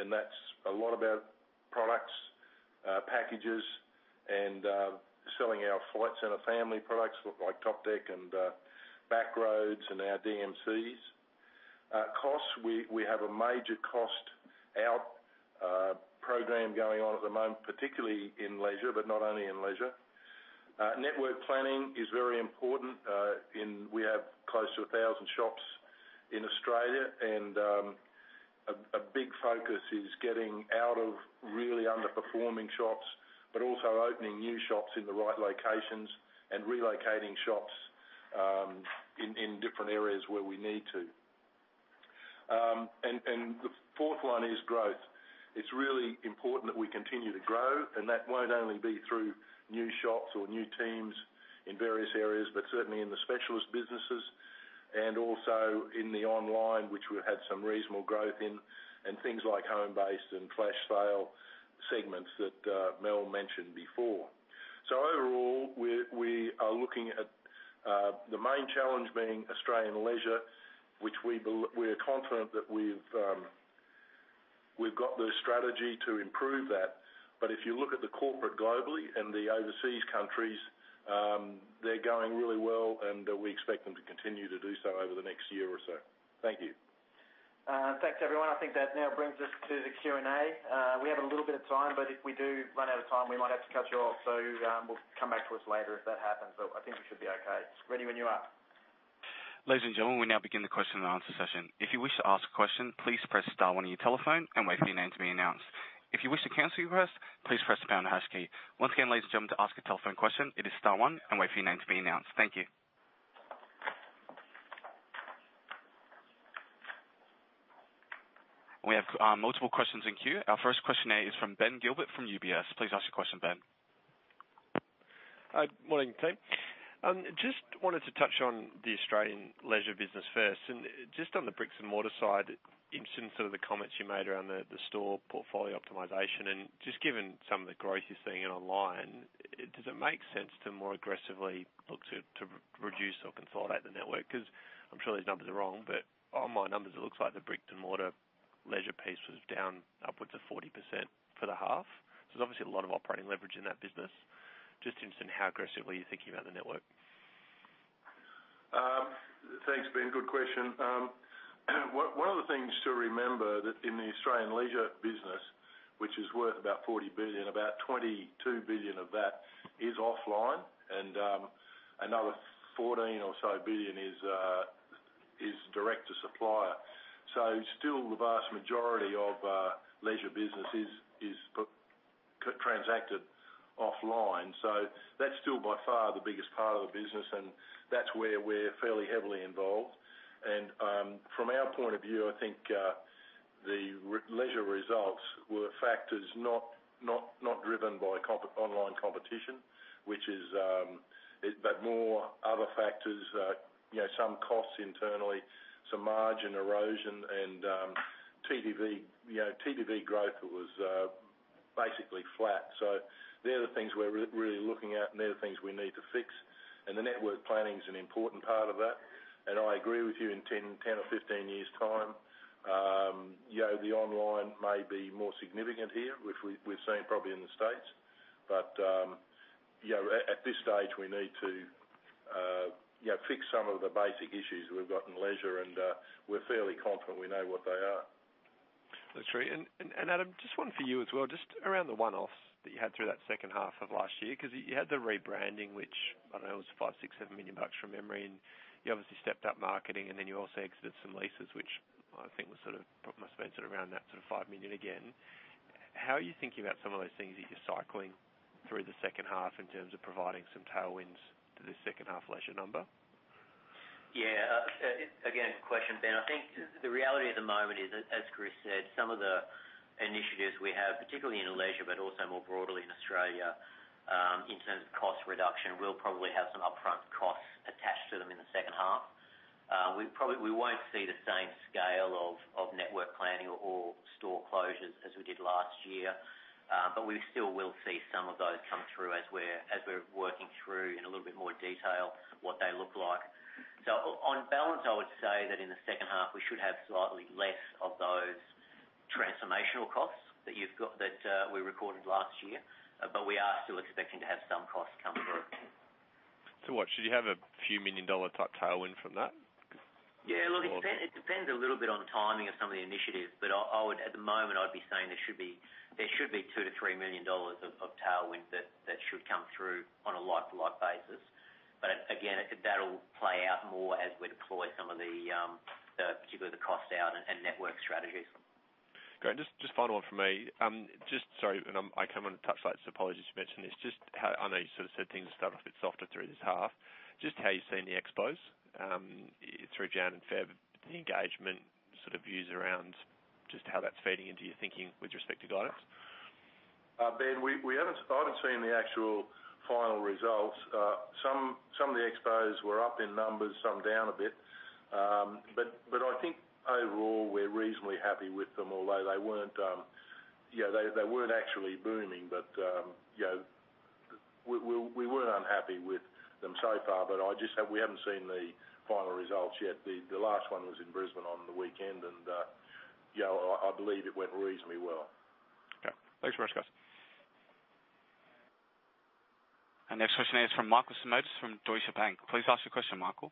and that's a lot about products, packages, and selling our Flight Centre family products like Topdeck and Back-Roads and our DMCs. Costs, we have a major cost-out program going on at the moment, particularly in Leisure, but not only in Leisure. Network planning is very important. We have close to 1,000 shops in Australia, and a big focus is getting out of really underperforming shops, but also opening new shops in the right locations and relocating shops in different areas where we need to. And the fourth one is growth. It's really important that we continue to grow, and that won't only be through new shops or new teams in various areas, but certainly in the specialist businesses and also in the online, which we've had some reasonable growth in, and things like home-based and flash sale segments that Mel mentioned before. So overall, we are looking at the main challenge being Australian Leisure, which we are confident that we've got the strategy to improve that. But if you look at the Corporate globally and the overseas countries, they're going really well, and we expect them to continue to do so over the next year or so. Thank you. Thanks, everyone. I think that now brings us to the Q&A. We have a little bit of time, but if we do run out of time, we might have to cut you off, so we'll come back to us later if that happens. But I think we should be okay. Ready when you are. Ladies and gentlemen, we now begin the question and answer session. If you wish to ask a question, please press star one on your telephone and wait for your name to be announced. If you wish to cancel your request, please press the pound or hash key. Once again, ladies and gentlemen, to ask a telephone question, it is star one and wait for your name to be announced. Thank you. We have multiple questions in queue. Our first question is from Ben Gilbert from UBS. Please ask your question, Ben. Morning. Just wanted to touch on the Australian Leisure business first. And just on the bricks and mortar side, in some of the comments you made around the store portfolio optimization and just given some of the growth you're seeing in online, does it make sense to more aggressively look to reduce or consolidate the network? Because I'm sure these numbers are wrong, but on my numbers, it looks like the brick-and-mortar Leisure pace was down upwards of 40% for the half. So there's obviously a lot of operating leverage in that business. Just interested in how aggressively you're thinking about the network. Thanks, Ben. Good question. One of the things to remember that in the Australian Leisure business, which is worth about 40 billion, about 22 billion of that is offline, and another 14 billion or so is direct-to-supplier. So still, the vast majority of Leisure business is transacted offline. That's still by far the biggest part of the business, and that's where we're fairly heavily involved. From our point of view, I think the Leisure results were not driven by online competition, but more by other factors, some costs internally, some margin erosion, and TTV growth was basically flat. They're the things we're really looking at, and they're the things we need to fix. The network planning is an important part of that. I agree with you. In 10 or 15 years' time, the online may be more significant here, which we've seen probably in the States. At this stage, we need to fix some of the basic issues we've got in Leisure, and we're fairly confident we know what they are. That's true. Adam, just one for you as well, just around the one-offs that you had through that second half of last year, because you had the rebranding, which, I don't know, was 5, six, seven million bucks, remembering? You obviously stepped up marketing, and then you also exited some leases, which I think must have been sort of around that sort of 5 million again. How are you thinking about some of those things that you're cycling through the second half in terms of providing some tailwinds to this second-half Leisure number? Yeah. Good question, Ben. I think the reality at the moment is, as Chris said, some of the initiatives we have, particularly in Leisure, but also more broadly in Australia, in terms of cost reduction, we'll probably have some upfront costs attached to them in the second half. We won't see the same scale of network planning or store closures as we did last year, but we still will see some of those come through as we're working through in a little bit more detail what they look like. So on balance, I would say that in the second half, we should have slightly less of those transformational costs that we recorded last year, but we are still expecting to have some costs come through. So what? Should you have a few million-dollar type tailwind from that? Yeah. Look, it depends a little bit on timing of some of the initiatives, but at the moment, I'd be saying there should be 2-3 million dollars of tailwind that should come through on a like-for-like basis. But again, that'll play out more as we deploy some of the, particularly the cost-out and network strategies. Great. Just final one from me. Just, sorry, and I come on a touch light, so apologies to mention this. Just how I know you sort of said things start off a bit softer through this half. Just how you've seen the expos through January and February, the engagement sort of views around just how that's feeding into your thinking with respect to guidance? Ben, we haven't seen the actual final results. Some of the expos were up in numbers, some down a bit. But I think overall, we're reasonably happy with them, although they weren't actually booming, but we weren't unhappy with them so far. But we haven't seen the final results yet. The last one was in Brisbane on the weekend, and I believe it went reasonably well. Okay. Thanks very much, guys. And next question is from Michael Simotas from Deutsche Bank. Please ask your question, Michael.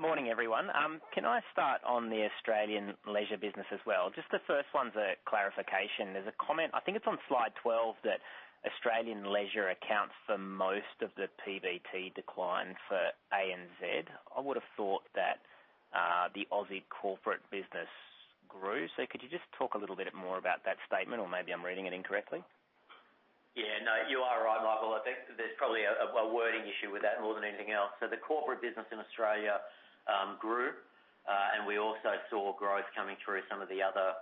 Morning, everyone. Can I start on the Australian Leisure business as well? Just the first one's a clarification. There's a comment, I think it's on slide 12, that Australian Leisure accounts for most of the PBT decline for ANZ. I would have thought that the Aussie Corporate business grew. So could you just talk a little bit more about that statement, or maybe I'm reading it incorrectly? Yeah. No, you are right, Michael. I think there's probably a wording issue with that more than anything else. So the Corporate business in Australia grew, and we also saw growth coming through some of the other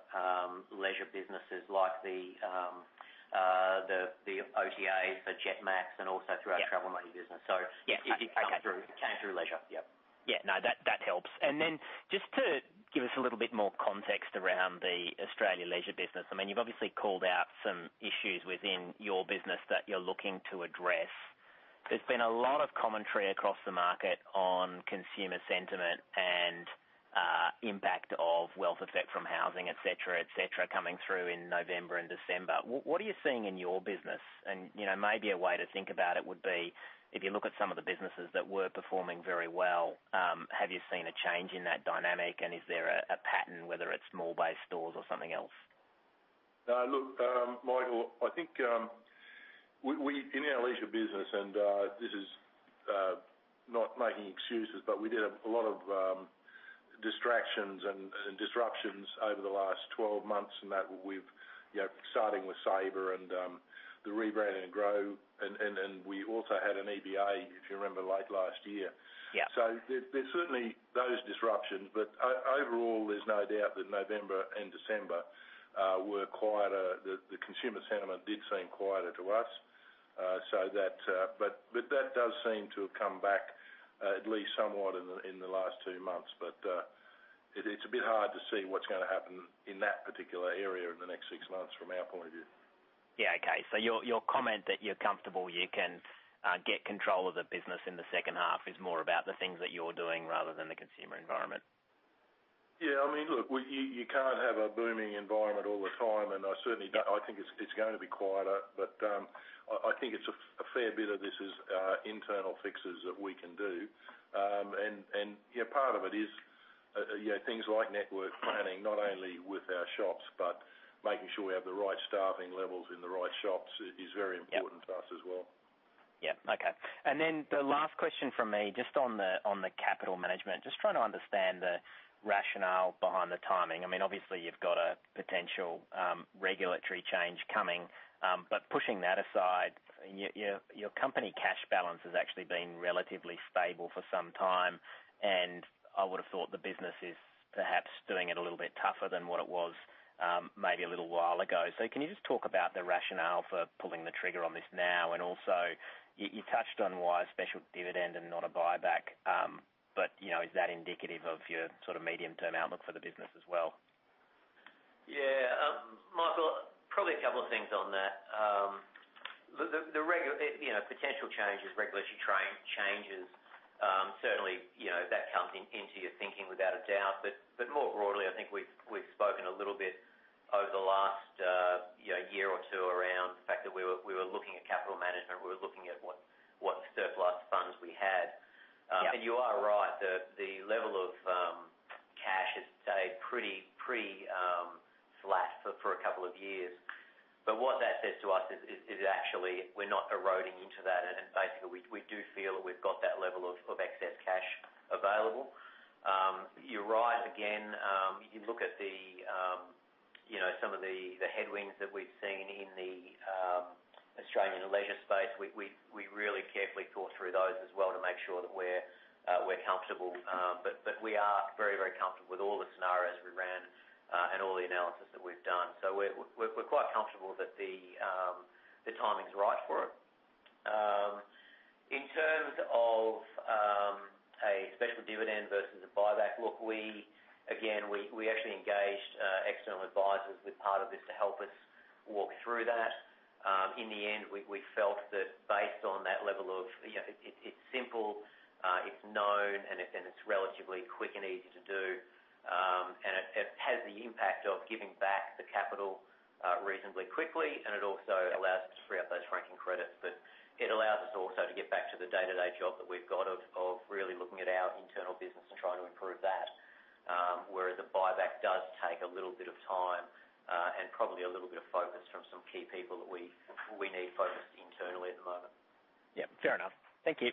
Leisure businesses like the OTAs for BYOjet and also through our Travel Money business. So it came through Leisure. Yeah. Yeah. No, that helps. Then just to give us a little bit more context around the Australian Leisure business, I mean, you've obviously called out some issues within your business that you're looking to address. There's been a lot of commentary across the market on consumer sentiment and impact of wealth effect from housing, etc., etc., coming through in November and December. What are you seeing in your business? Maybe a way to think about it would be, if you look at some of the businesses that were performing very well, have you seen a change in that dynamic, and is there a pattern, whether it's mall-based stores or something else? Look, Michael, I think in our Leisure business, and this is not making excuses, but we did have a lot of distractions and disruptions over the last 12 months, and we've, starting with Sabre and the rebranding and GDS, and we also had an EBA, if you remember, late last year. So there's certainly those disruptions, but overall, there's no doubt that November and December were quieter. The consumer sentiment did seem quieter to us, but that does seem to have come back at least somewhat in the last two months, but it's a bit hard to see what's going to happen in that particular area in the next six months from our point of view. Yeah. Okay. So your comment that you're comfortable you can get control of the business in the second half is more about the things that you're doing rather than the consumer environment. Yeah. I mean, look, you can't have a booming environment all the time, and I certainly don't think it's going to be quieter, but I think a fair bit of this is internal fixes that we can do. And part of it is things like network planning, not only with our shops, but making sure we have the right staffing levels in the right shops is very important to us as well. Yeah. Okay. And then the last question from me, just on the capital management, just trying to understand the rationale behind the timing. I mean, obviously, you've got a potential regulatory change coming, but pushing that aside, your company cash balance has actually been relatively stable for some time, and I would have thought the business is perhaps doing it a little bit tougher than what it was maybe a little while ago. So can you just talk about the rationale for pulling the trigger on this now? And also, you touched on why a special dividend and not a buyback, but is that indicative of your sort of medium-term outlook for the business as well? Yeah. Michael, probably a couple of things on that. The potential changes, regulatory changes, certainly that comes into your thinking without a doubt. But more broadly, I think we've spoken a little bit over the last year or two around the fact that we were looking at capital management, we were looking at what surplus funds we had. And you are right, the level of cash has stayed pretty flat for a couple of years. But what that says to us is actually we're not eroding into that, and basically, we do feel that we've got that level of excess cash available. You're right. Again, you look at some of the headwinds that we've seen in the Australian Leisure space. We really carefully thought through those as well to make sure that we're comfortable. But we are very, very comfortable with all the scenarios we ran and all the analysis that we've done. So we're quite comfortable that the timing's right for it. In terms of a special dividend versus a buyback, look, again, we actually engaged external advisors with part of this to help us walk through that. In the end, we felt that based on that, it's simple, it's known, and it's relatively quick and easy to do, and it has the impact of giving back the capital reasonably quickly, and it also allows us to free up those franking credits. But it allows us also to get back to the day-to-day job that we've got of really looking at our internal business and trying to improve that, whereas a buyback does take a little bit of time and probably a little bit of focus from some key people that we need focused internally at the moment. Yeah. Fair enough. Thank you.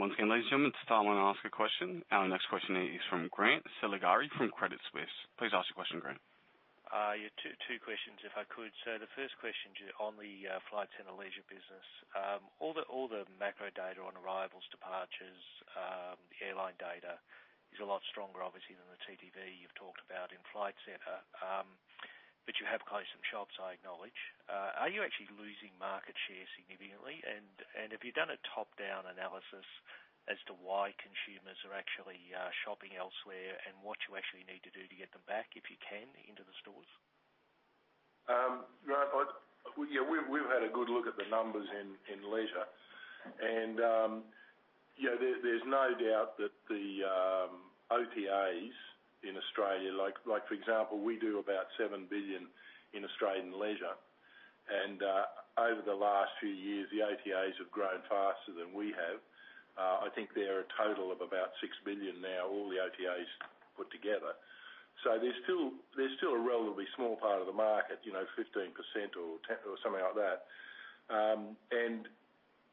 Once again, ladies and gentlemen, it's time I ask a question. Our next question is from Grant Saligari from Credit Suisse. Please ask your question, Grant. Two questions, if I could. So the first question on the Flight Centre Leisure business, all the macro data on arrivals, departures, the airline data is a lot stronger, obviously, than the TTV you've talked about in Flight Centre. But you have closed some shops, I acknowledge. Are you actually losing market share significantly? Have you done a top-down analysis as to why consumers are actually shopping elsewhere and what you actually need to do to get them back, if you can, into the stores? Yeah. We've had a good look at the numbers in Leisure, and there's no doubt that the OTAs in Australia, like for example, we do about 7 billion in Australian Leisure. And over the last few years, the OTAs have grown faster than we have. I think they're a total of about 6 billion now, all the OTAs put together. So they're still a relatively small part of the market, 15% or something like that. And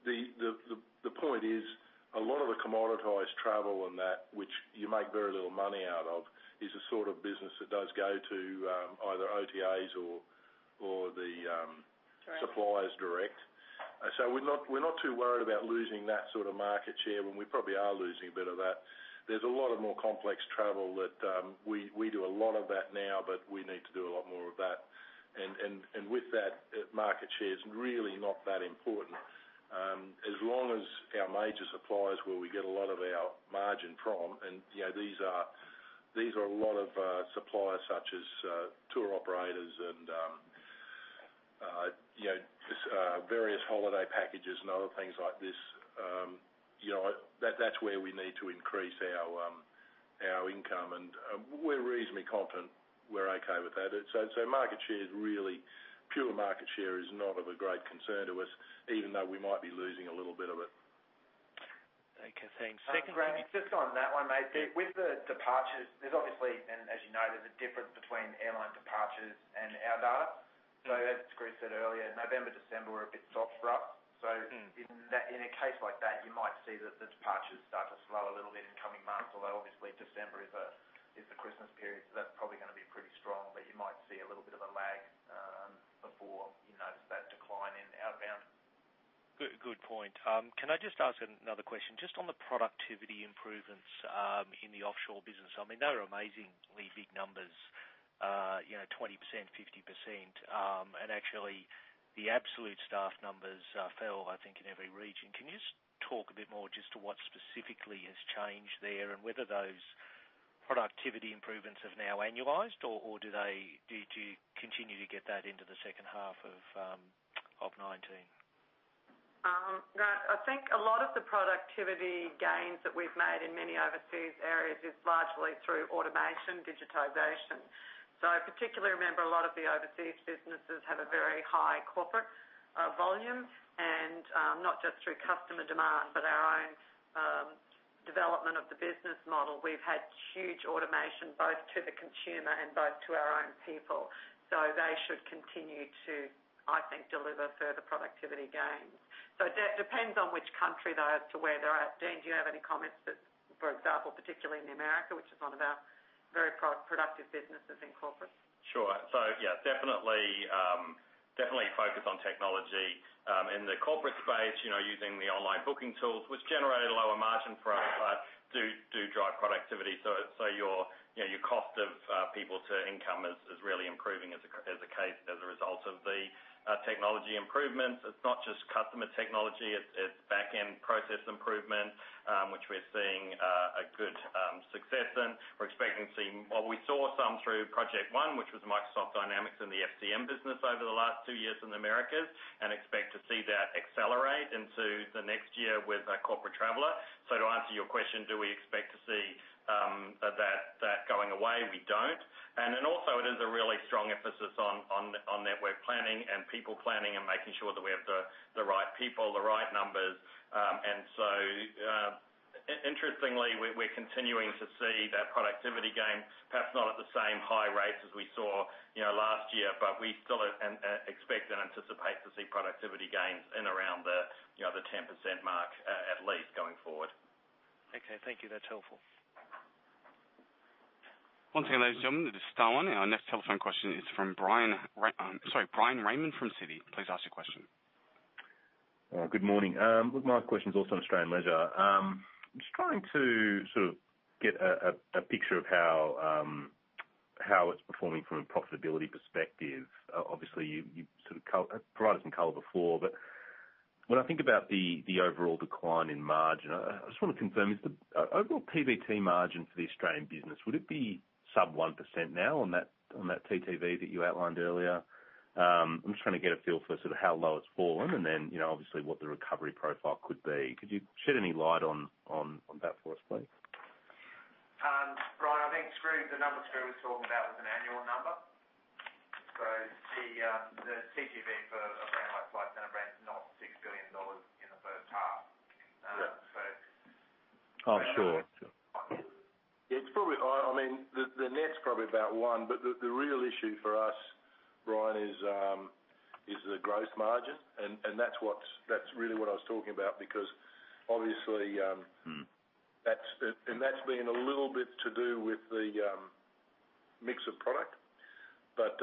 the point is, a lot of the commoditized travel and that, which you make very little money out of, is the sort of business that does go to either OTAs or the suppliers direct. So we're not too worried about losing that sort of market share, and we probably are losing a bit of that. There's a lot of more complex travel that we do a lot of that now, but we need to do a lot more of that. And with that, market share is really not that important as long as our major suppliers where we get a lot of our margin from. And these are a lot of suppliers such as tour operators and various holiday packages and other things like this. That's where we need to increase our income, and we're reasonably confident we're okay with that. So market share is really pure market share is not of a great concern to us, even though we might be losing a little bit of it. Okay. Thanks. Second question. Just on that one, mate, with the departures, there's obviously, and as you know, there's a difference between airline departures and our data. So as Chris said earlier, November, December were a bit soft for us. So in a case like that, you might see that the departures start to slow a little bit in coming months, although obviously, December is the Christmas period, so that's probably going to be pretty strong. But you might see a little bit of a lag before you notice that decline in outbound. Good point. Can I just ask another question? Just on the productivity improvements in the offshore business, I mean, they're amazingly big numbers, 20%, 50%. And actually, the absolute staff numbers fell, I think, in every region. Can you just talk a bit more just to what specifically has changed there and whether those productivity improvements have now annualized, or do you continue to get that into the second half of 2019? I think a lot of the productivity gains that we've made in many overseas areas is largely through automation, digitization. So particularly, remember, a lot of the overseas businesses have a very high Corporate volume, and not just through customer demand, but our own development of the business model. We've had huge automation both to the consumer and both to our own people. So they should continue to, I think, deliver further productivity gains. So it depends on which country, though, as to where they're at. Dean, do you have any comments that, for example, particularly in America, which is one of our very productive businesses in Corporate? Sure. So yeah, definitely focus on technology. In the Corporate space, using the online booking tools, which generated a lower margin for us, do drive productivity, so your cost of people to income is really improving as a result of the technology improvements. It's not just customer technology. It's back-end process improvement, which we're seeing a good success in. We're expecting to see what we saw some through Project One, which was Microsoft Dynamics in the FCM business over the last two years in the Americas, and expect to see that accelerate into the next year with Corporate Traveller. So to answer your question, do we expect to see that going away? We don't, and then also, it is a really strong emphasis on network planning and people planning and making sure that we have the right people, the right numbers. And so interestingly, we're continuing to see that productivity gain, perhaps not at the same high rates as we saw last year, but we still expect and anticipate to see productivity gains in around the 10% mark at least going forward. Okay. Thank you. That's helpful. Once again, ladies and gentlemen, it is Sterling. Our next telephone question is from Brian Raymond from Citi. Please ask your question. Good morning. Look, my question's also on Australian Leisure. I'm just trying to sort of get a picture of how it's performing from a profitability perspective. Obviously, you've sort of provided some color before, but when I think about the overall decline in margin, I just want to confirm, is the overall PBT margin for the Australian business, would it be sub 1% now on that TTV that you outlined earlier? I'm just trying to get a feel for sort of how low it's fallen and then obviously what the recovery profile could be. Could you shed any light on that for us, please? Brian, I think the number Skroo was talking about was an annual number. So the TTV for a brand like Flight Centre Brand is not 6 billion dollars in the first half. So I'm sure. Yeah. I mean, the net's probably about one, but the real issue for us, Brian, is the gross margin. And that's really what I was talking about because obviously, and that's been a little bit to do with the mix of product. But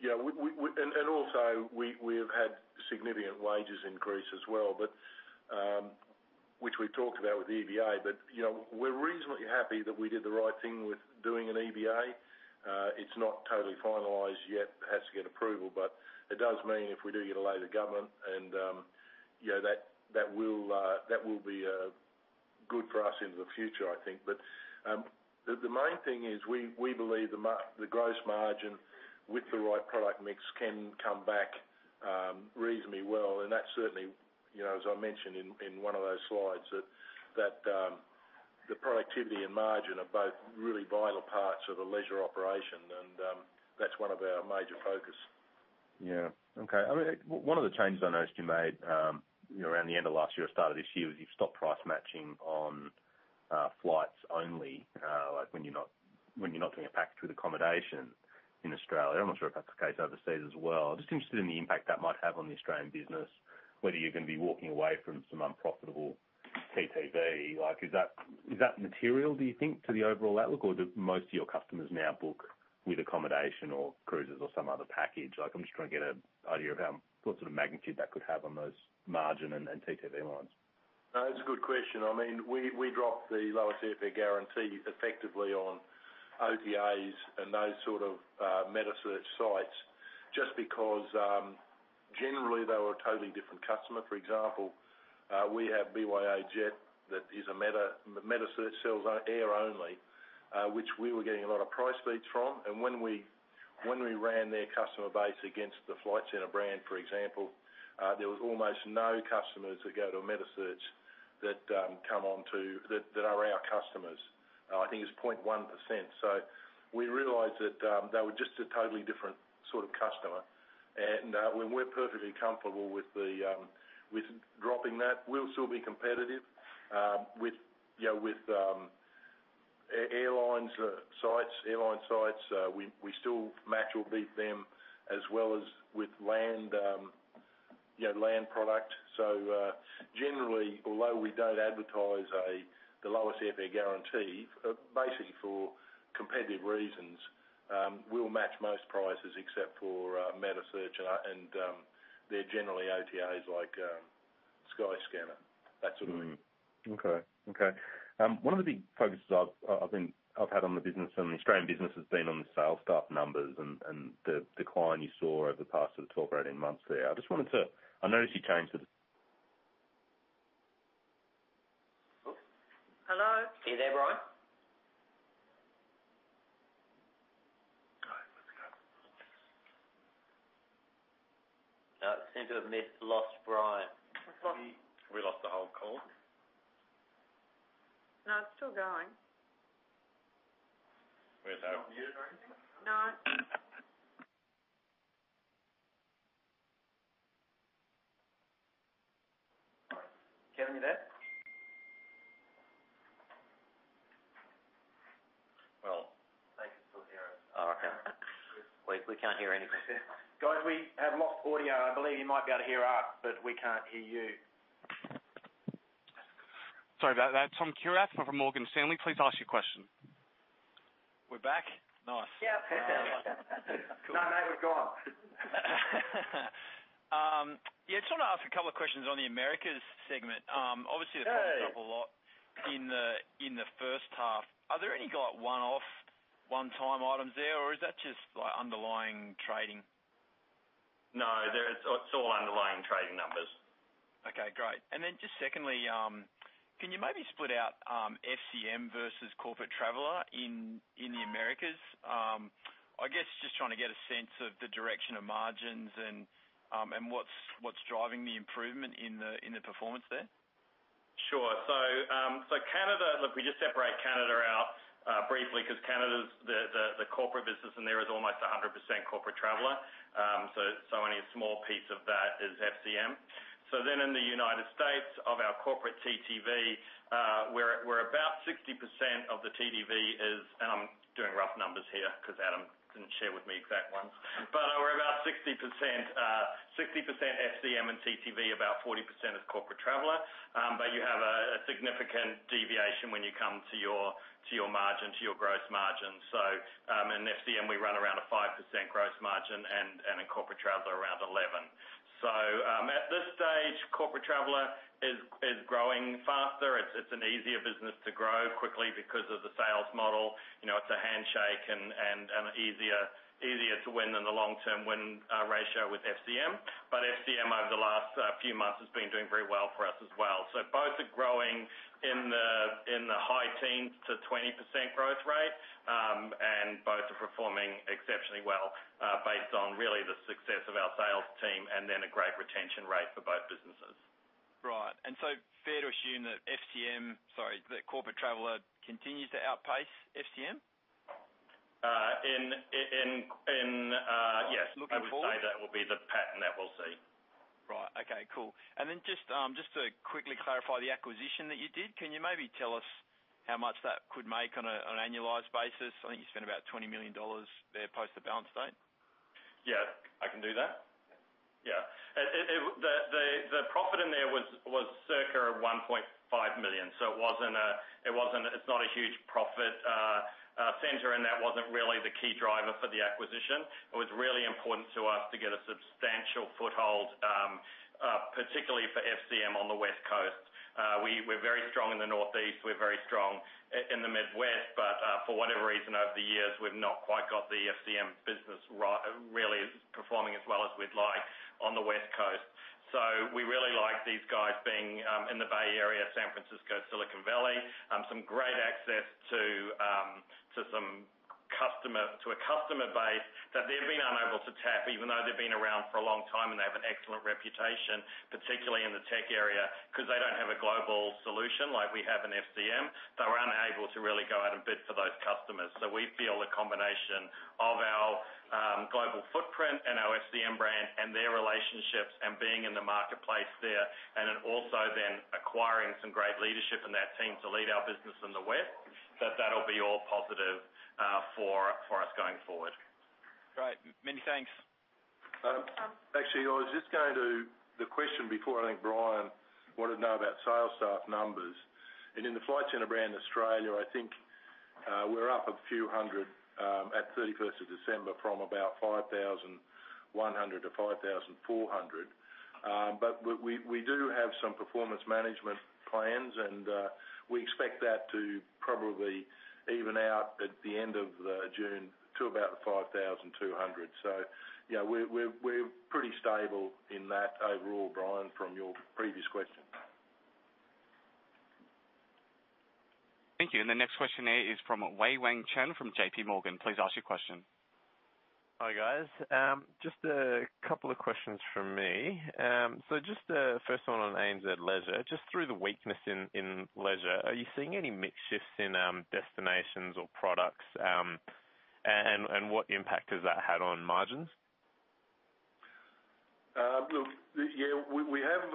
yeah, and also, we have had significant wages increase as well, which we've talked about with EBA. But we're reasonably happy that we did the right thing with doing an EBA. It's not totally finalized yet. It has to get approval, but it does mean if we do get a loan to government, and that will be good for us into the future, I think. But the main thing is we believe the gross margin with the right product mix can come back reasonably well. And that's certainly, as I mentioned in one of those slides, that the productivity and margin are both really vital parts of a Leisure operation, and that's one of our major focuses. Yeah. Okay. I mean, one of the changes I noticed you made around the end of last year or start of this year is you've stopped price matching on flights only, like when you're not doing a package with accommodation in Australia. I'm not sure if that's the case overseas as well. I'm just interested in the impact that might have on the Australian business, whether you're going to be walking away from some unprofitable TTV. Is that material, do you think, to the overall outlook, or do most of your customers now book with accommodation or cruises or some other package? I'm just trying to get an idea of what sort of magnitude that could have on those margin and TTV lines. That's a good question. I mean, we dropped the Lowest Airfare Guarantee effectively on OTAs and those sort of metasearch sites just because generally, they were a totally different customer. For example, we have BYOjet that is a metasearch sales air only, which we were getting a lot of price feeds from. When we ran their customer base against the Flight Centre Brand, for example, there was almost no customers that go to a metasearch that come on to that are our customers, I think it's 0.1%. So we realized that they were just a totally different sort of customer. And when we're perfectly comfortable with dropping that, we'll still be competitive with airline sites. We still match or beat them as well as with land product. So generally, although we don't advertise the Lowest Airfare Guarantee, basically for competitive reasons, we'll match most prices except for metasearch and their generally OTAs like Skyscanner, that sort of thing. Okay. Okay. One of the big focuses I've had on the business and the Australian business has been on the sales staff numbers and the decline you saw over the past sort of 12 or 18 months there. Hello? Are you there, Brian? All right. Let's go. Seems to have lost Brian. We lost the whole call. No, it's still going. Where's that? You didn't hear anything? No. Kevin, you there? They can still hear us. Oh, okay. We can't hear anything. Guys, we have lost audio. I believe you might be able to hear us, but we can't hear you. Sorry about that. Tom Kierath from Morgan Stanley. Please ask your question. We're back. Nice. Yeah. No, mate, we've gone. Yeah. Just want to ask a couple of questions on the Americas segment. Obviously, the PBT is up a lot in the first half. Are there any one-off, one-time items there, or is that just underlying trading? No. It's all underlying trading numbers. Okay. Great. And then just secondly, can you maybe split out FCM Corporate Traveller in the Americas? I guess just trying to get a sense of the direction of margins and what's driving the improvement in the performance there. Sure. So look, we just separate Canada out briefly because Canada's the Corporate business, and there is almost Corporate Traveller. So only a small piece of that is FCM. So then in the United States, of our Corporate TTV, we're about 60% of the TTV is, and I'm doing rough numbers here because Adam didn't share with me exact ones, but we're about 60% FCM and TTV, about 40% Corporate Traveller. But you have a significant deviation when you come to your margin, to your gross margin. So in FCM, we run around a 5% gross margin, and Corporate Traveller, around 11%. So at this Corporate Traveller is growing faster. It's an easier business to grow quickly because of the sales model. It's a handshake and easier to win than the long-term win ratio with FCM. But FCM, over the last few months, has been doing very well for us as well. So both are growing in the high teens to 20% growth rate, and both are performing exceptionally well based on really the success of our sales team and then a great retention rate for both businesses. Right. And so, fair to assume that FCM, sorry, that Corporate Traveller continues to outpace FCM? In, yes. I would say that will be the pattern that we'll see. Right. Okay. Cool. And then just to quickly clarify the acquisition that you did, can you maybe tell us how much that could make on an annualized basis? I think you spent about 20 million dollars there post the balance date. Yeah. I can do that. Yeah. The profit in there was circa 1.5 million. So it wasn't. It's not a huge profit center, and that wasn't really the key driver for the acquisition. It was really important to us to get a substantial foothold, particularly for FCM on the West Coast. We're very strong in the Northeast. We're very strong in the Midwest, but for whatever reason, over the years, we've not quite got the FCM business really performing as well as we'd like on the West Coast. So we really like these guys being in the Bay Area, San Francisco, Silicon Valley, some great access to a customer base that they've been unable to tap, even though they've been around for a long time, and they have an excellent reputation, particularly in the tech area because they don't have a global solution like we have in FCM. They were unable to really go out and bid for those customers. So we feel the combination of our global footprint and our FCM brand and their relationships and being in the marketplace there and also then acquiring some great leadership in that team to lead our business in the West, that that'll be all positive for us going forward. Great. Many thanks. Thanks for yours. Just going to the question before, I think Brian wanted to know about sales staff numbers. In the Flight Centre Brand Australia, I think we're up a few hundred at 31st of December from about 5,100 to 5,400. But we do have some performance management plans, and we expect that to probably even out at the end of June to about 5,200. So we're pretty stable in that overall, Brian, from your previous question. Thank you. The next question is from Wei-Weng Chen from JPMorgan. Please ask your question. Hi guys. Just a couple of questions from me. So just the first one on EMEA Leisure. Just through the weakness in Leisure, are you seeing any mixed shifts in destinations or products, and what impact has that had on margins? Look, yeah, we have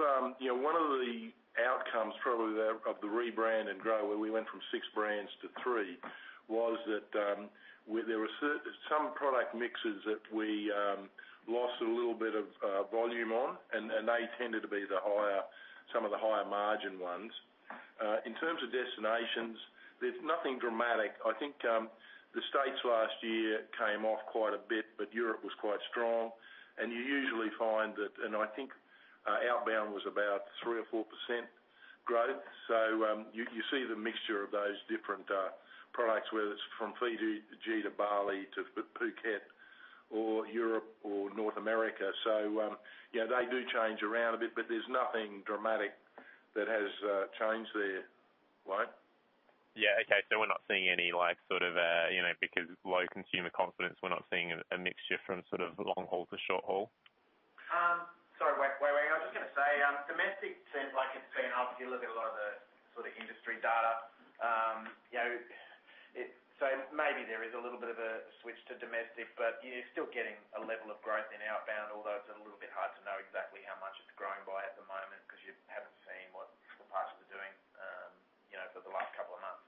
one of the outcomes probably of the Rebrand and Grow where we went from six brands to three was that there were some product mixes that we lost a little bit of volume on, and they tended to be some of the higher margin ones. In terms of destinations, there's nothing dramatic. I think the States last year came off quite a bit, but Europe was quite strong. And you usually find that, and I think outbound was about 3% or 4% growth. So you see the mixture of those different products, whether it's from Fiji to Bali to Phuket or Europe or North America. So they do change around a bit, but there's nothing dramatic that has changed there, right? Yeah. Okay. So, we're not seeing any sort of because low consumer confidence, we're not seeing a mixture from sort of long haul to short haul? Sorry, Wei-Weng Chen. I was just going to say domestic seems like it's been up. You're looking at a lot of the sort of industry data. So maybe there is a little bit of a switch to domestic, but you're still getting a level of growth in outbound, although it's a little bit hard to know exactly how much it's growing by at the moment because you haven't seen what the partners are doing for the last couple of months.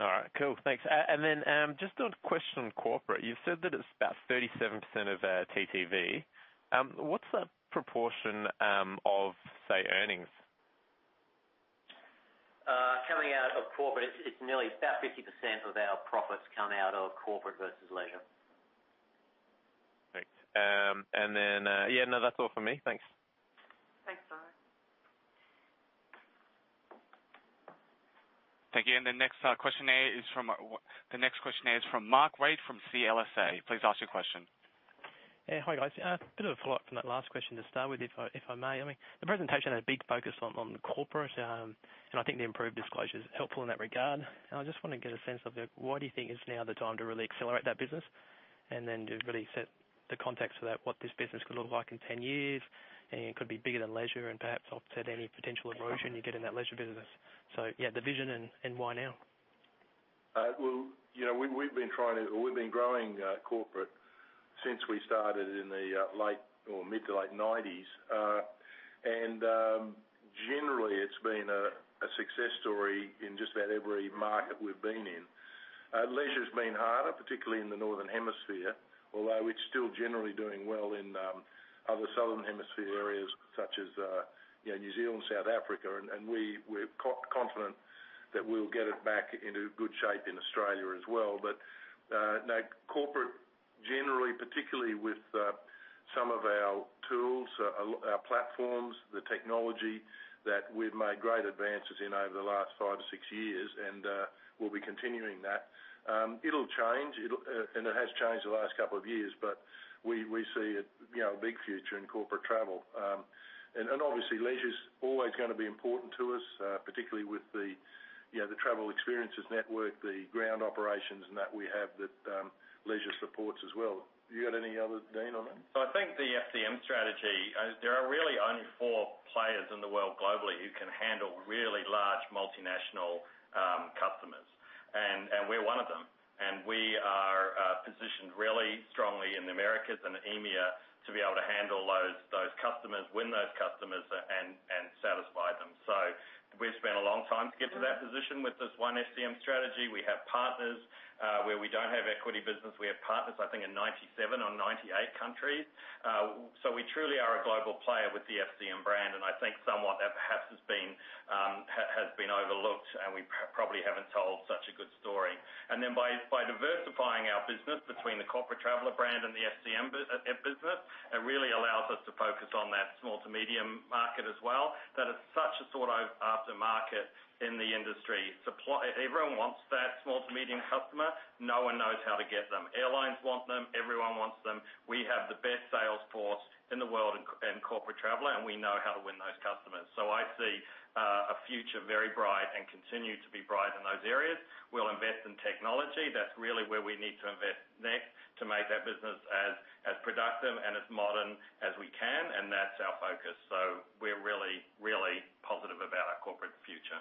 All right. Cool. Thanks. And then just a question on Corporate. You've said that it's about 37% of TTV. What's the proportion of, say, earnings coming out of Corporate? It's nearly about 50% of our profits come out of Corporate versus Leisure. And then, yeah, no, that's all for me. Thanks. Thanks, Wei-Weng. Thank you. And the next question is from Mark Wade from CLSA. Please ask your question. Hi guys. Bit of a follow-up from that last question to start with, if I may. I mean, the presentation had a big focus on Corporate, and I think the improved disclosure is helpful in that regard. And I just want to get a sense of why do you think it's now the time to really accelerate that business and then to really set the context for what this business could look like in 10 years, and it could be bigger than Leisure and perhaps offset any potential erosion you get in that Leisure business. Yeah, the vision and why now? We've been growing Corporate since we started in the late or mid-to-late 1990s. Generally, it's been a success story in just about every market we've been in. Leisure has been harder, particularly in the northern hemisphere, although it's still generally doing well in other southern hemisphere areas such as New Zealand, South Africa. We're confident that we'll get it back into good shape in Australia as well. Corporate, generally, particularly with some of our tools, our platforms, the technology that we've made great advances in over the last five or six years, and we'll be continuing that. It'll change, and it has changed the last couple of years, but we see a big future in Corporate travel. And obviously, Leisure is always going to be important to us, particularly with the Travel Experiences Network, the ground operations that we have that Leisure supports as well. You got any other, Dean, on that? So I think the FCM strategy, there are really only four players in the world globally who can handle really large multinational customers. And we're one of them. And we are positioned really strongly in the Americas and EMEA to be able to handle those customers, win those customers, and satisfy them. So we've spent a long time to get to that position with this one FCM strategy. We have partners where we don't have equity business. We have partners, I think, in 97 or 98 countries. So we truly are a global player with the FCM brand. I think somewhat that perhaps has been overlooked, and we probably haven't told such a good story. By diversifying our business between the Corporate Traveller brand and the FCM business, it really allows us to focus on that small to medium market as well. That is such a sort of aftermarket in the industry. Everyone wants that small to medium customer. No one knows how to get them. Airlines want them. Everyone wants them. We have the best sales force in the world in Corporate Traveller, and we know how to win those customers. I see a future very bright and continue to be bright in those areas. We'll invest in technology. That's really where we need to invest next to make that business as productive and as modern as we can. That's our focus. We're really, really positive about our Corporate future.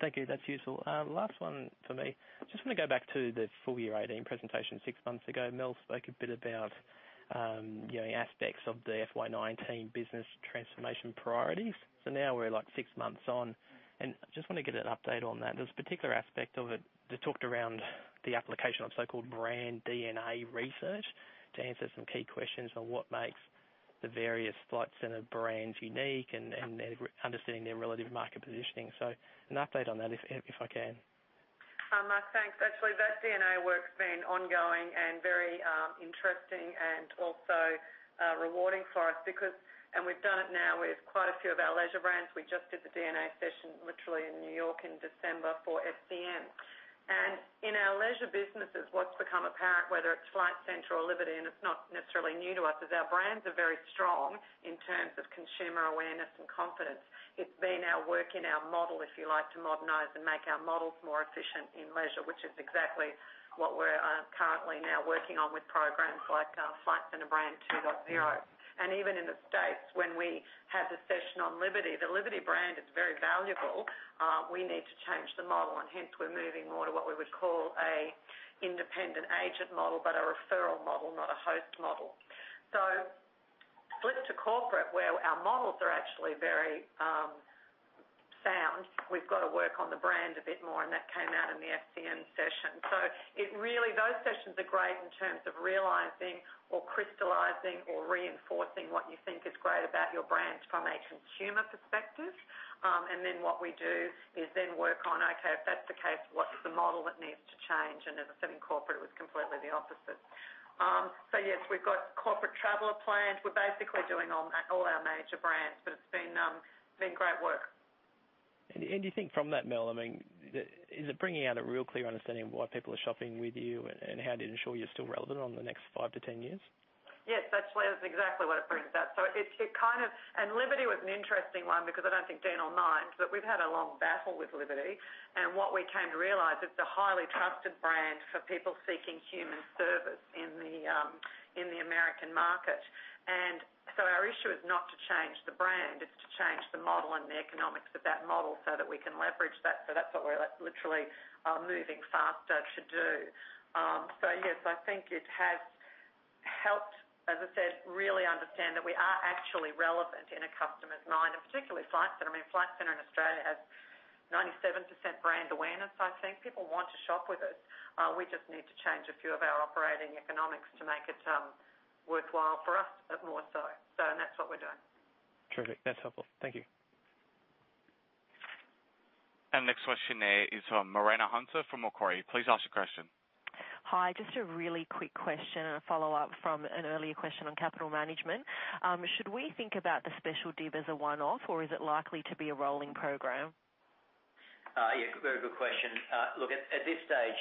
Thank you. That's useful. Last one for me. Just want to go back to the full year 18 presentation six months ago. Mel spoke a bit about aspects of the FY19 business transformation priorities. Now we're like six months on. I just want to get an update on that. There's a particular aspect of it that talked around the application of so-called brand DNA research to answer some key questions on what makes the various Flight Centre brands unique and understanding their relative market positioning. An update on that if I can. Thanks. Actually, that DNA work's been ongoing and very interesting and also rewarding for us because we've done it now with quite a few of our Leisure brands. We just did the DNA session literally in New York in December for FCM. And in our Leisure businesses, what's become apparent, whether it's Flight Centre or Liberty, and it's not necessarily new to us, is our brands are very strong in terms of consumer awareness and confidence. It's been our work in our model, if you like, to modernize and make our models more efficient in Leisure, which is exactly what we're currently now working on with programs like Flight Centre Brand 2.0. And even in the States, when we had the session on Liberty, the Liberty brand is very valuable. We need to change the model. And hence, we're moving more to what we would call an independent agent model, but a referral model, not a host model. So flip to Corporate where our models are actually very sound. We've got to work on the brand a bit more. And that came out in the FCM session. Those sessions are great in terms of realizing or crystallizing or reinforcing what you think is great about your brand from a consumer perspective. And then what we do is then work on, okay, if that's the case, what's the model that needs to change? And as I said, in Corporate, it was completely the opposite. So yes, we've got Corporate Traveller plans. We're basically doing all our major brands, but it's been great work. And do you think from that, Mel, I mean, is it bringing out a real clear understanding of why people are shopping with you and how to ensure you're still relevant in the next five to 10 years? Yes. Actually, that's exactly what it brings out. So it kind of, and Liberty was an interesting one because I don't think it aligns, but we've had a long battle with Liberty. What we came to realize is it's a highly trusted brand for people seeking human service in the American market. And so our issue is not to change the brand. It's to change the model and the economics of that model so that we can leverage that. So that's what we're literally moving faster to do. So yes, I think it has helped, as I said, really understand that we are actually relevant in a customer's mind, and particularly Flight Centre. I mean, Flight Centre in Australia has 97% brand awareness, I think. People want to shop with us. We just need to change a few of our operating economics to make it worthwhile for us more so. So that's what we're doing. Terrific. That's helpful. Thank you. And the next question is from Morena Hunter from Macquarie. Please ask your question. Hi, Just a really quick question and a follow-up from an earlier question on capital management. Should we think about the special div as a one-off, or is it likely to be a rolling program? Yeah. Very good question. Look, at this stage,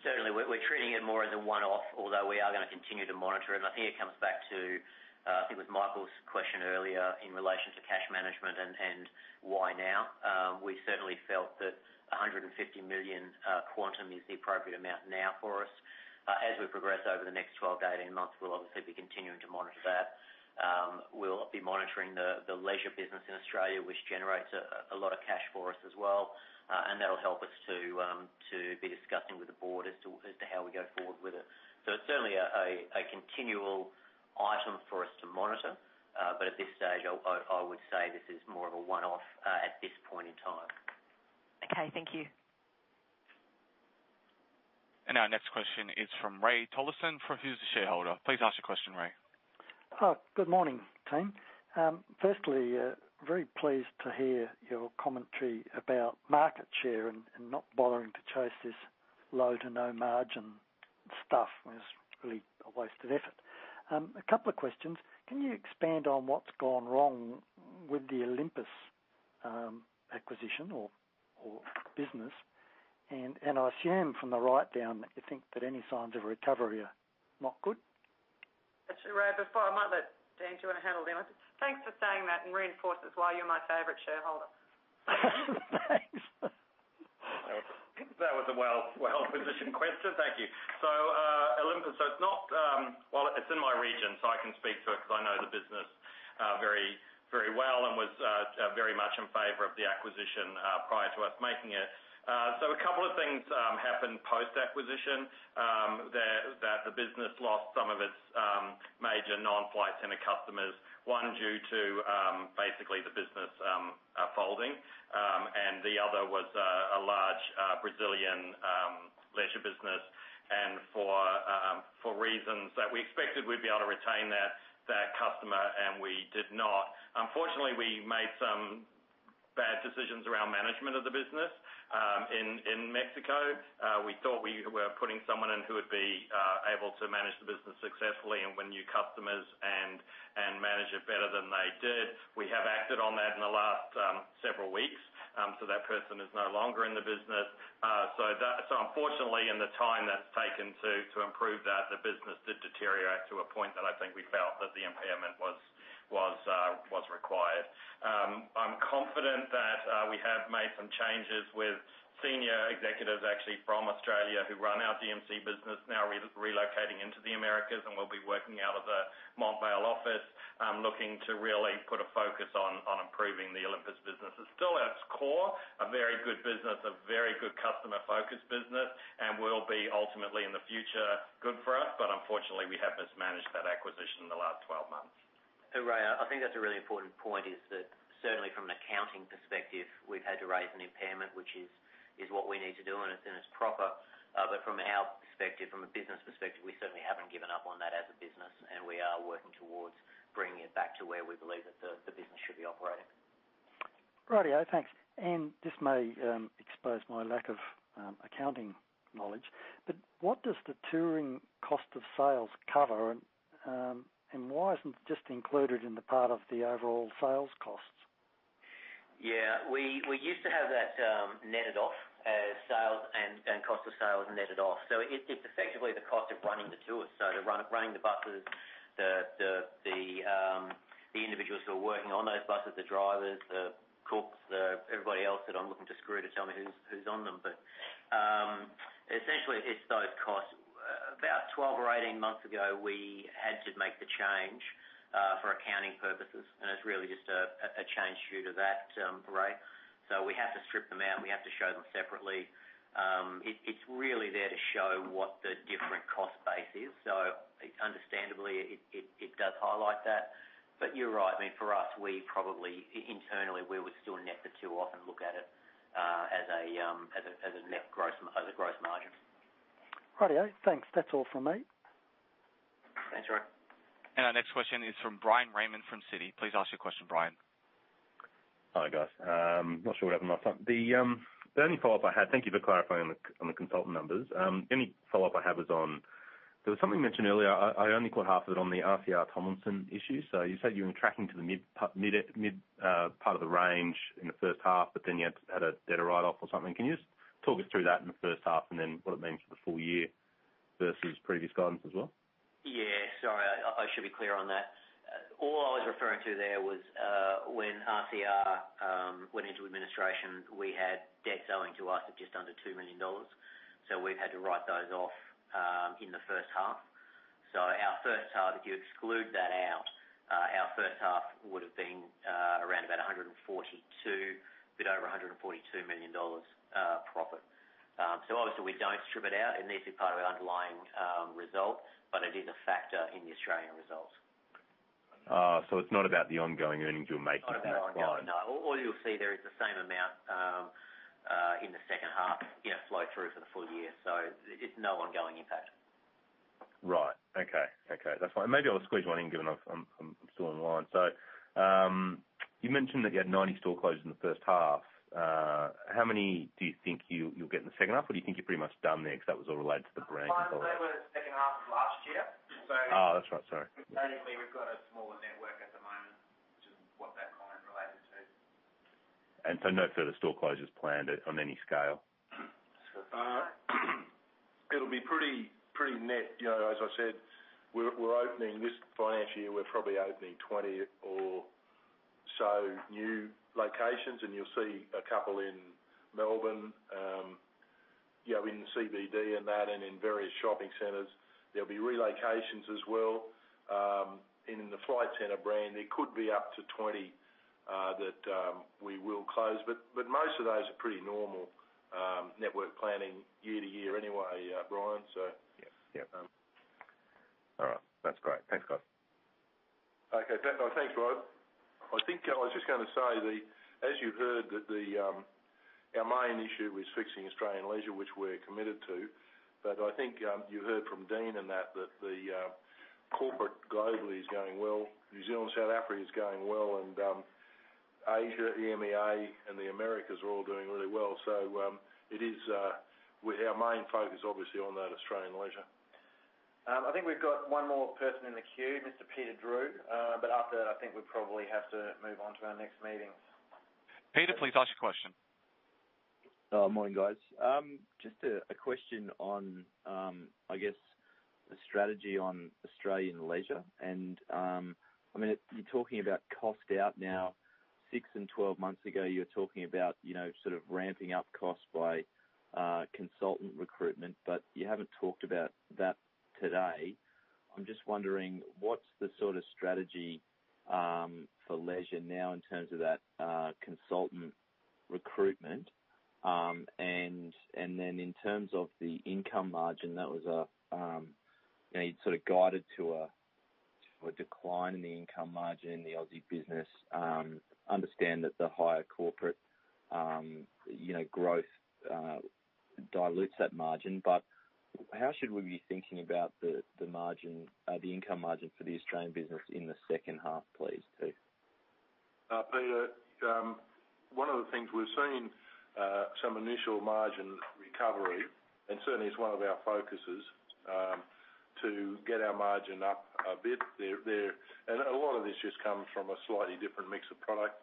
certainly we're treating it more as a one-off, although we are going to continue to monitor it. And I think it comes back to, I think it was Michael's question earlier in relation to cash management and why now. We certainly felt that 150 million quantum is the appropriate amount now for us. As we progress over the next 12 to 18 months, we'll obviously be continuing to monitor that. We'll be monitoring the Leisure business in Australia, which generates a lot of cash for us as well. And that'll help us to be discussing with the board as to how we go forward with it. So it's certainly a continual item for us to monitor. But at this stage, I would say this is more of a one-off at this point in time. Okay. Thank you. And our next question is from Ray Tolleson, Private Shareholder? Please ask your question, Ray. Good morning, Team. Firstly, very pleased to hear your commentary about market share and not bothering to chase this low to no margin stuff. It's really a waste of effort. A couple of questions. Can you expand on what's gone wrong with the Olympus acquisition or business? And I assume from the write-down that you think that any signs of recovery are not good. Actually, Ray, before I might let Dean do a handle there, thanks for saying that and reinforcing why you're my favorite shareholder. Thanks. That was a well-positioned question. Thank you. So, Olympus, so it's not well. It's in my region, so I can speak to it because I know the business very well and was very much in favor of the acquisition prior to us making it. So, a couple of things happened post-acquisition that the business lost some of its major non-Flight Centre customers, one due to basically the business folding, and the other was a large Brazilian Leisure business, and for reasons that we expected we'd be able to retain that customer, and we did not. Unfortunately, we made some bad decisions around management of the business in Mexico. We thought we were putting someone in who would be able to manage the business successfully and win new customers and manage it better than they did. We have acted on that in the last several weeks. So, that person is no longer in the business. So unfortunately, in the time that's taken to improve that, the business did deteriorate to a point that I think we felt that the impairment was required. I'm confident that we have made some changes with senior executives actually from Australia who run our DMC business now relocating into the Americas and will be working out of the Montvale office, looking to really put a focus on improving the Olympus business. It's still at its core, a very good business, a very good customer-focused business, and will be ultimately in the future good for us. But unfortunately, we have mismanaged that acquisition in the last 12 months. So Ray, I think that's a really important point, is that certainly from an accounting perspective, we've had to raise an impairment, which is what we need to do, and it's proper. But from our perspective, from a business perspective, we certainly haven't given up on that as a business, and we are working towards bringing it back to where we believe that the business should be operating. Righty. Thanks. And this may expose my lack of accounting knowledge. But what does the touring cost of sales cover? And why isn't it just included in the part of the overall sales costs? Yeah. We used to have that netted off as sales and cost of sales netted off. So it's effectively the cost of running the tours. So running the buses, the individuals who are working on those buses, the drivers, the cooks, everybody else that I'm looking to Skroo to tell me who's on them. But essentially, it's those costs. About 12 or 18 months ago, we had to make the change for accounting purposes. It's really just a change due to that, Ray. So we have to strip them out. We have to show them separately. It's really there to show what the different cost base is. So understandably, it does highlight that. But you're right. I mean, for us, internally, we would still net the tour off and look at it as a net gross margin. Righty. Thanks. That's all from me. Thanks, Ray. Our next question is from Brian Raymond from Citi. Please ask your question, Brian. Hi, guys. Not sure what happened last time. The only follow-up I had, thank you for clarifying on the consultant numbers. The only follow-up I had was on there was something you mentioned earlier. I only caught half of it on the RCR Tomlinson issue. So you said you were tracking to the mid part of the range in the first half, but then you had a debt write-off or something. Can you just talk us through that in the first half and then what it means for the full year versus previous guidance as well? Yeah. Sorry. I should be clear on that. All I was referring to there was when RCR went into administration, we had debts owing to us of just under 2 million dollars. So we've had to write those off in the first half. So our first half, if you exclude that out, our first half would have been around about 142 million, a bit over 142 million dollars profit. So obviously, we don't strip it out. It needs to be part of our underlying result, but it is a factor in the Australian results. So it's not about the ongoing earnings you're making at that point? No. All you'll see there is the same amount in the second half flow through for the full year. So it's no ongoing impact. Rig ht. Okay. Okay. That's fine. Maybe I'll squeeze one in given I'm still online. So you mentioned that you had 90 store closures in the first half. How many do you think you'll get in the second half? Or do you think you're pretty much done there because that was all related to the brand? Well, they were in the second half of last year. So basically, we've got a smaller network at the moment, which is what that client related to. And so no further store closures planned on any scale? It'll be pretty net. As I said, we're opening this financial year, we're probably opening 20 or so new locations. And you'll see a couple in Melbourne, in CBD and that, and in various shopping centers. There'll be relocations as well. In the Flight Centre brand, there could be up to 20 that we will close. But most of those are pretty normal network planning year to year anyway, Brian. So yeah. All right. That's great. Thanks, guys. Okay. Thanks, Bryan. I think I was just going to say, as you've heard, our main issue is fixing Australian Leisure, which we're committed to. But I think you heard from Dean and that the Corporate globally is going well. New Zealand, South Africa is going well. And Asia, EMEA, and the Americas are all doing really well. So it is with our main focus, obviously, on that Australian Leisure. I think we've got one more person in the queue, Mr. Peter Drew. But after that, I think we probably have to move on to our next meetings. Peter, please ask your question. Morning, guys. Just a question on, I guess, the strategy on Australian Leisure. And I mean, you're talking about cost out now. Six and 12 months ago, you were talking about sort of ramping up costs by consultant recruitment. But you haven't talked about that today. I'm just wondering, what's the sort of strategy for Leisure now in terms of that consultant recruitment? And then in terms of the income margin, that was a sort of guided to a decline in the income margin in the Aussie business. Understand that the higher Corporate growth dilutes that margin. But how should we be thinking about the income margin for the Australian business in the second half, please, too? Peter, one of the things we've seen some initial margin recovery, and certainly it's one of our focuses to get our margin up a bit there. And a lot of this just comes from a slightly different mix of product,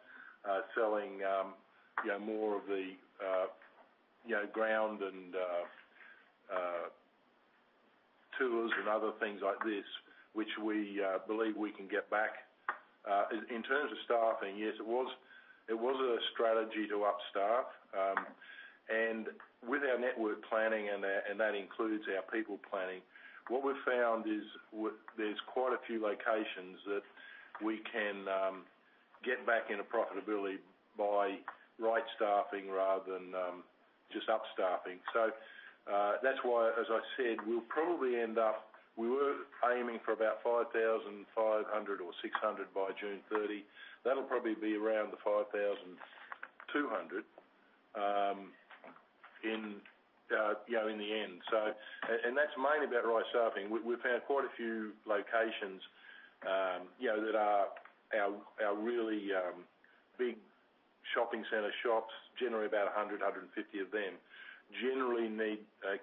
selling more of the ground and tours and other things like this, which we believe we can get back. In terms of staffing, yes, it was a strategy to upstaff. And with our network planning, and that includes our people planning, what we've found is there's quite a few locations that we can get back into profitability by right staffing rather than just upstaffing. So that's why, as I said, we'll probably end up. We were aiming for about 5,500 or 5,600 by June 30. That'll probably be around the 5,200 in the end. And that's mainly about right staffing. We've found quite a few locations that are our really big shopping center shops, generally about 100, 150 of them, generally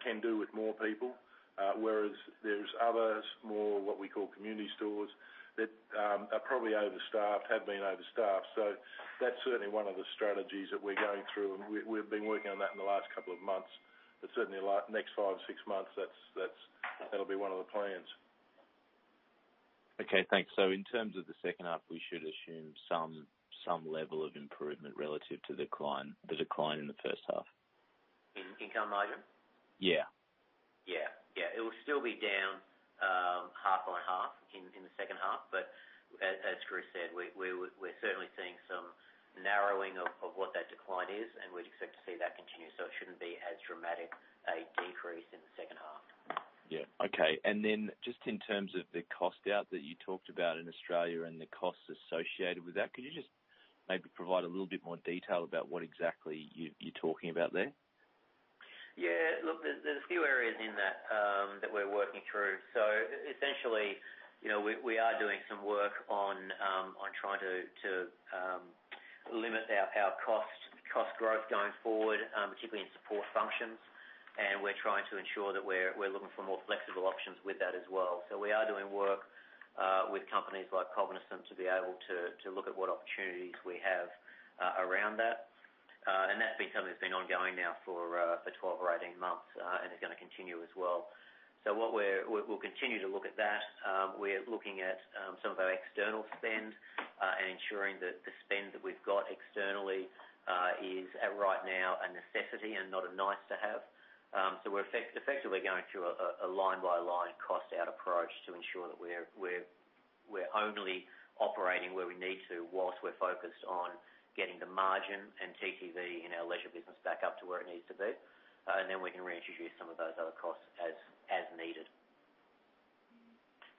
can do with more people. Whereas there's others, more what we call community stores that are probably overstaffed, have been overstaffed. So that's certainly one of the strategies that we're going through. And we've been working on that in the last couple of months. But certainly, next five or six months, that'll be one of the plans. Okay. Thanks. So in terms of the second half, we should assume some level of improvement relative to the decline in the first half. In income margin? Yeah. Yeah. Yeah. It will still be down half by half in the second half. But as Chris said, we're certainly seeing some narrowing of what that decline is. And we'd expect to see that continue. So it shouldn't be as dramatic a decrease in the second half. Yeah. Okay. And then just in terms of the cost out that you talked about in Australia and the costs associated with that, could you just maybe provide a little bit more detail about what exactly you're talking about there? Yeah. Look, there's a few areas in that that we're working through. So essentially, we are doing some work on trying to limit our cost growth going forward, particularly in support functions. And we're trying to ensure that we're looking for more flexible options with that as well. So we are doing work with companies like Cognizant to be able to look at what opportunities we have around that. And that's been something that's been ongoing now for 12 or 18 months and is going to continue as well. So we'll continue to look at that. We're looking at some of our external spend and ensuring that the spend that we've got externally is, right now, a necessity and not a nice-to-have. So we're effectively going through a line-by-line cost-out approach to ensure that we're only operating where we need to while we're focused on getting the margin and TTV in our Leisure business back up to where it needs to be, and then we can reintroduce some of those other costs as needed,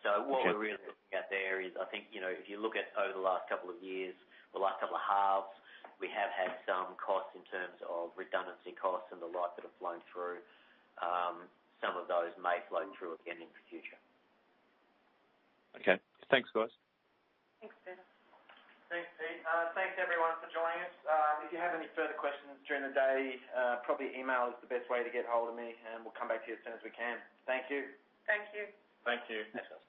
so what we're really looking at there is, I think, if you look at over the last couple of years, the last couple of halves, we have had some costs in terms of redundancy costs and the like that have flown through. Some of those may flow through again in the future. Okay. Thanks, guys. Thanks, Peter. Thanks, Pete. Thanks, everyone, for joining us. If you have any further questions during the day, probably email is the best way to get hold of me. And we'll come back to you as soon as we can. Thank you. Thank you. Thank you.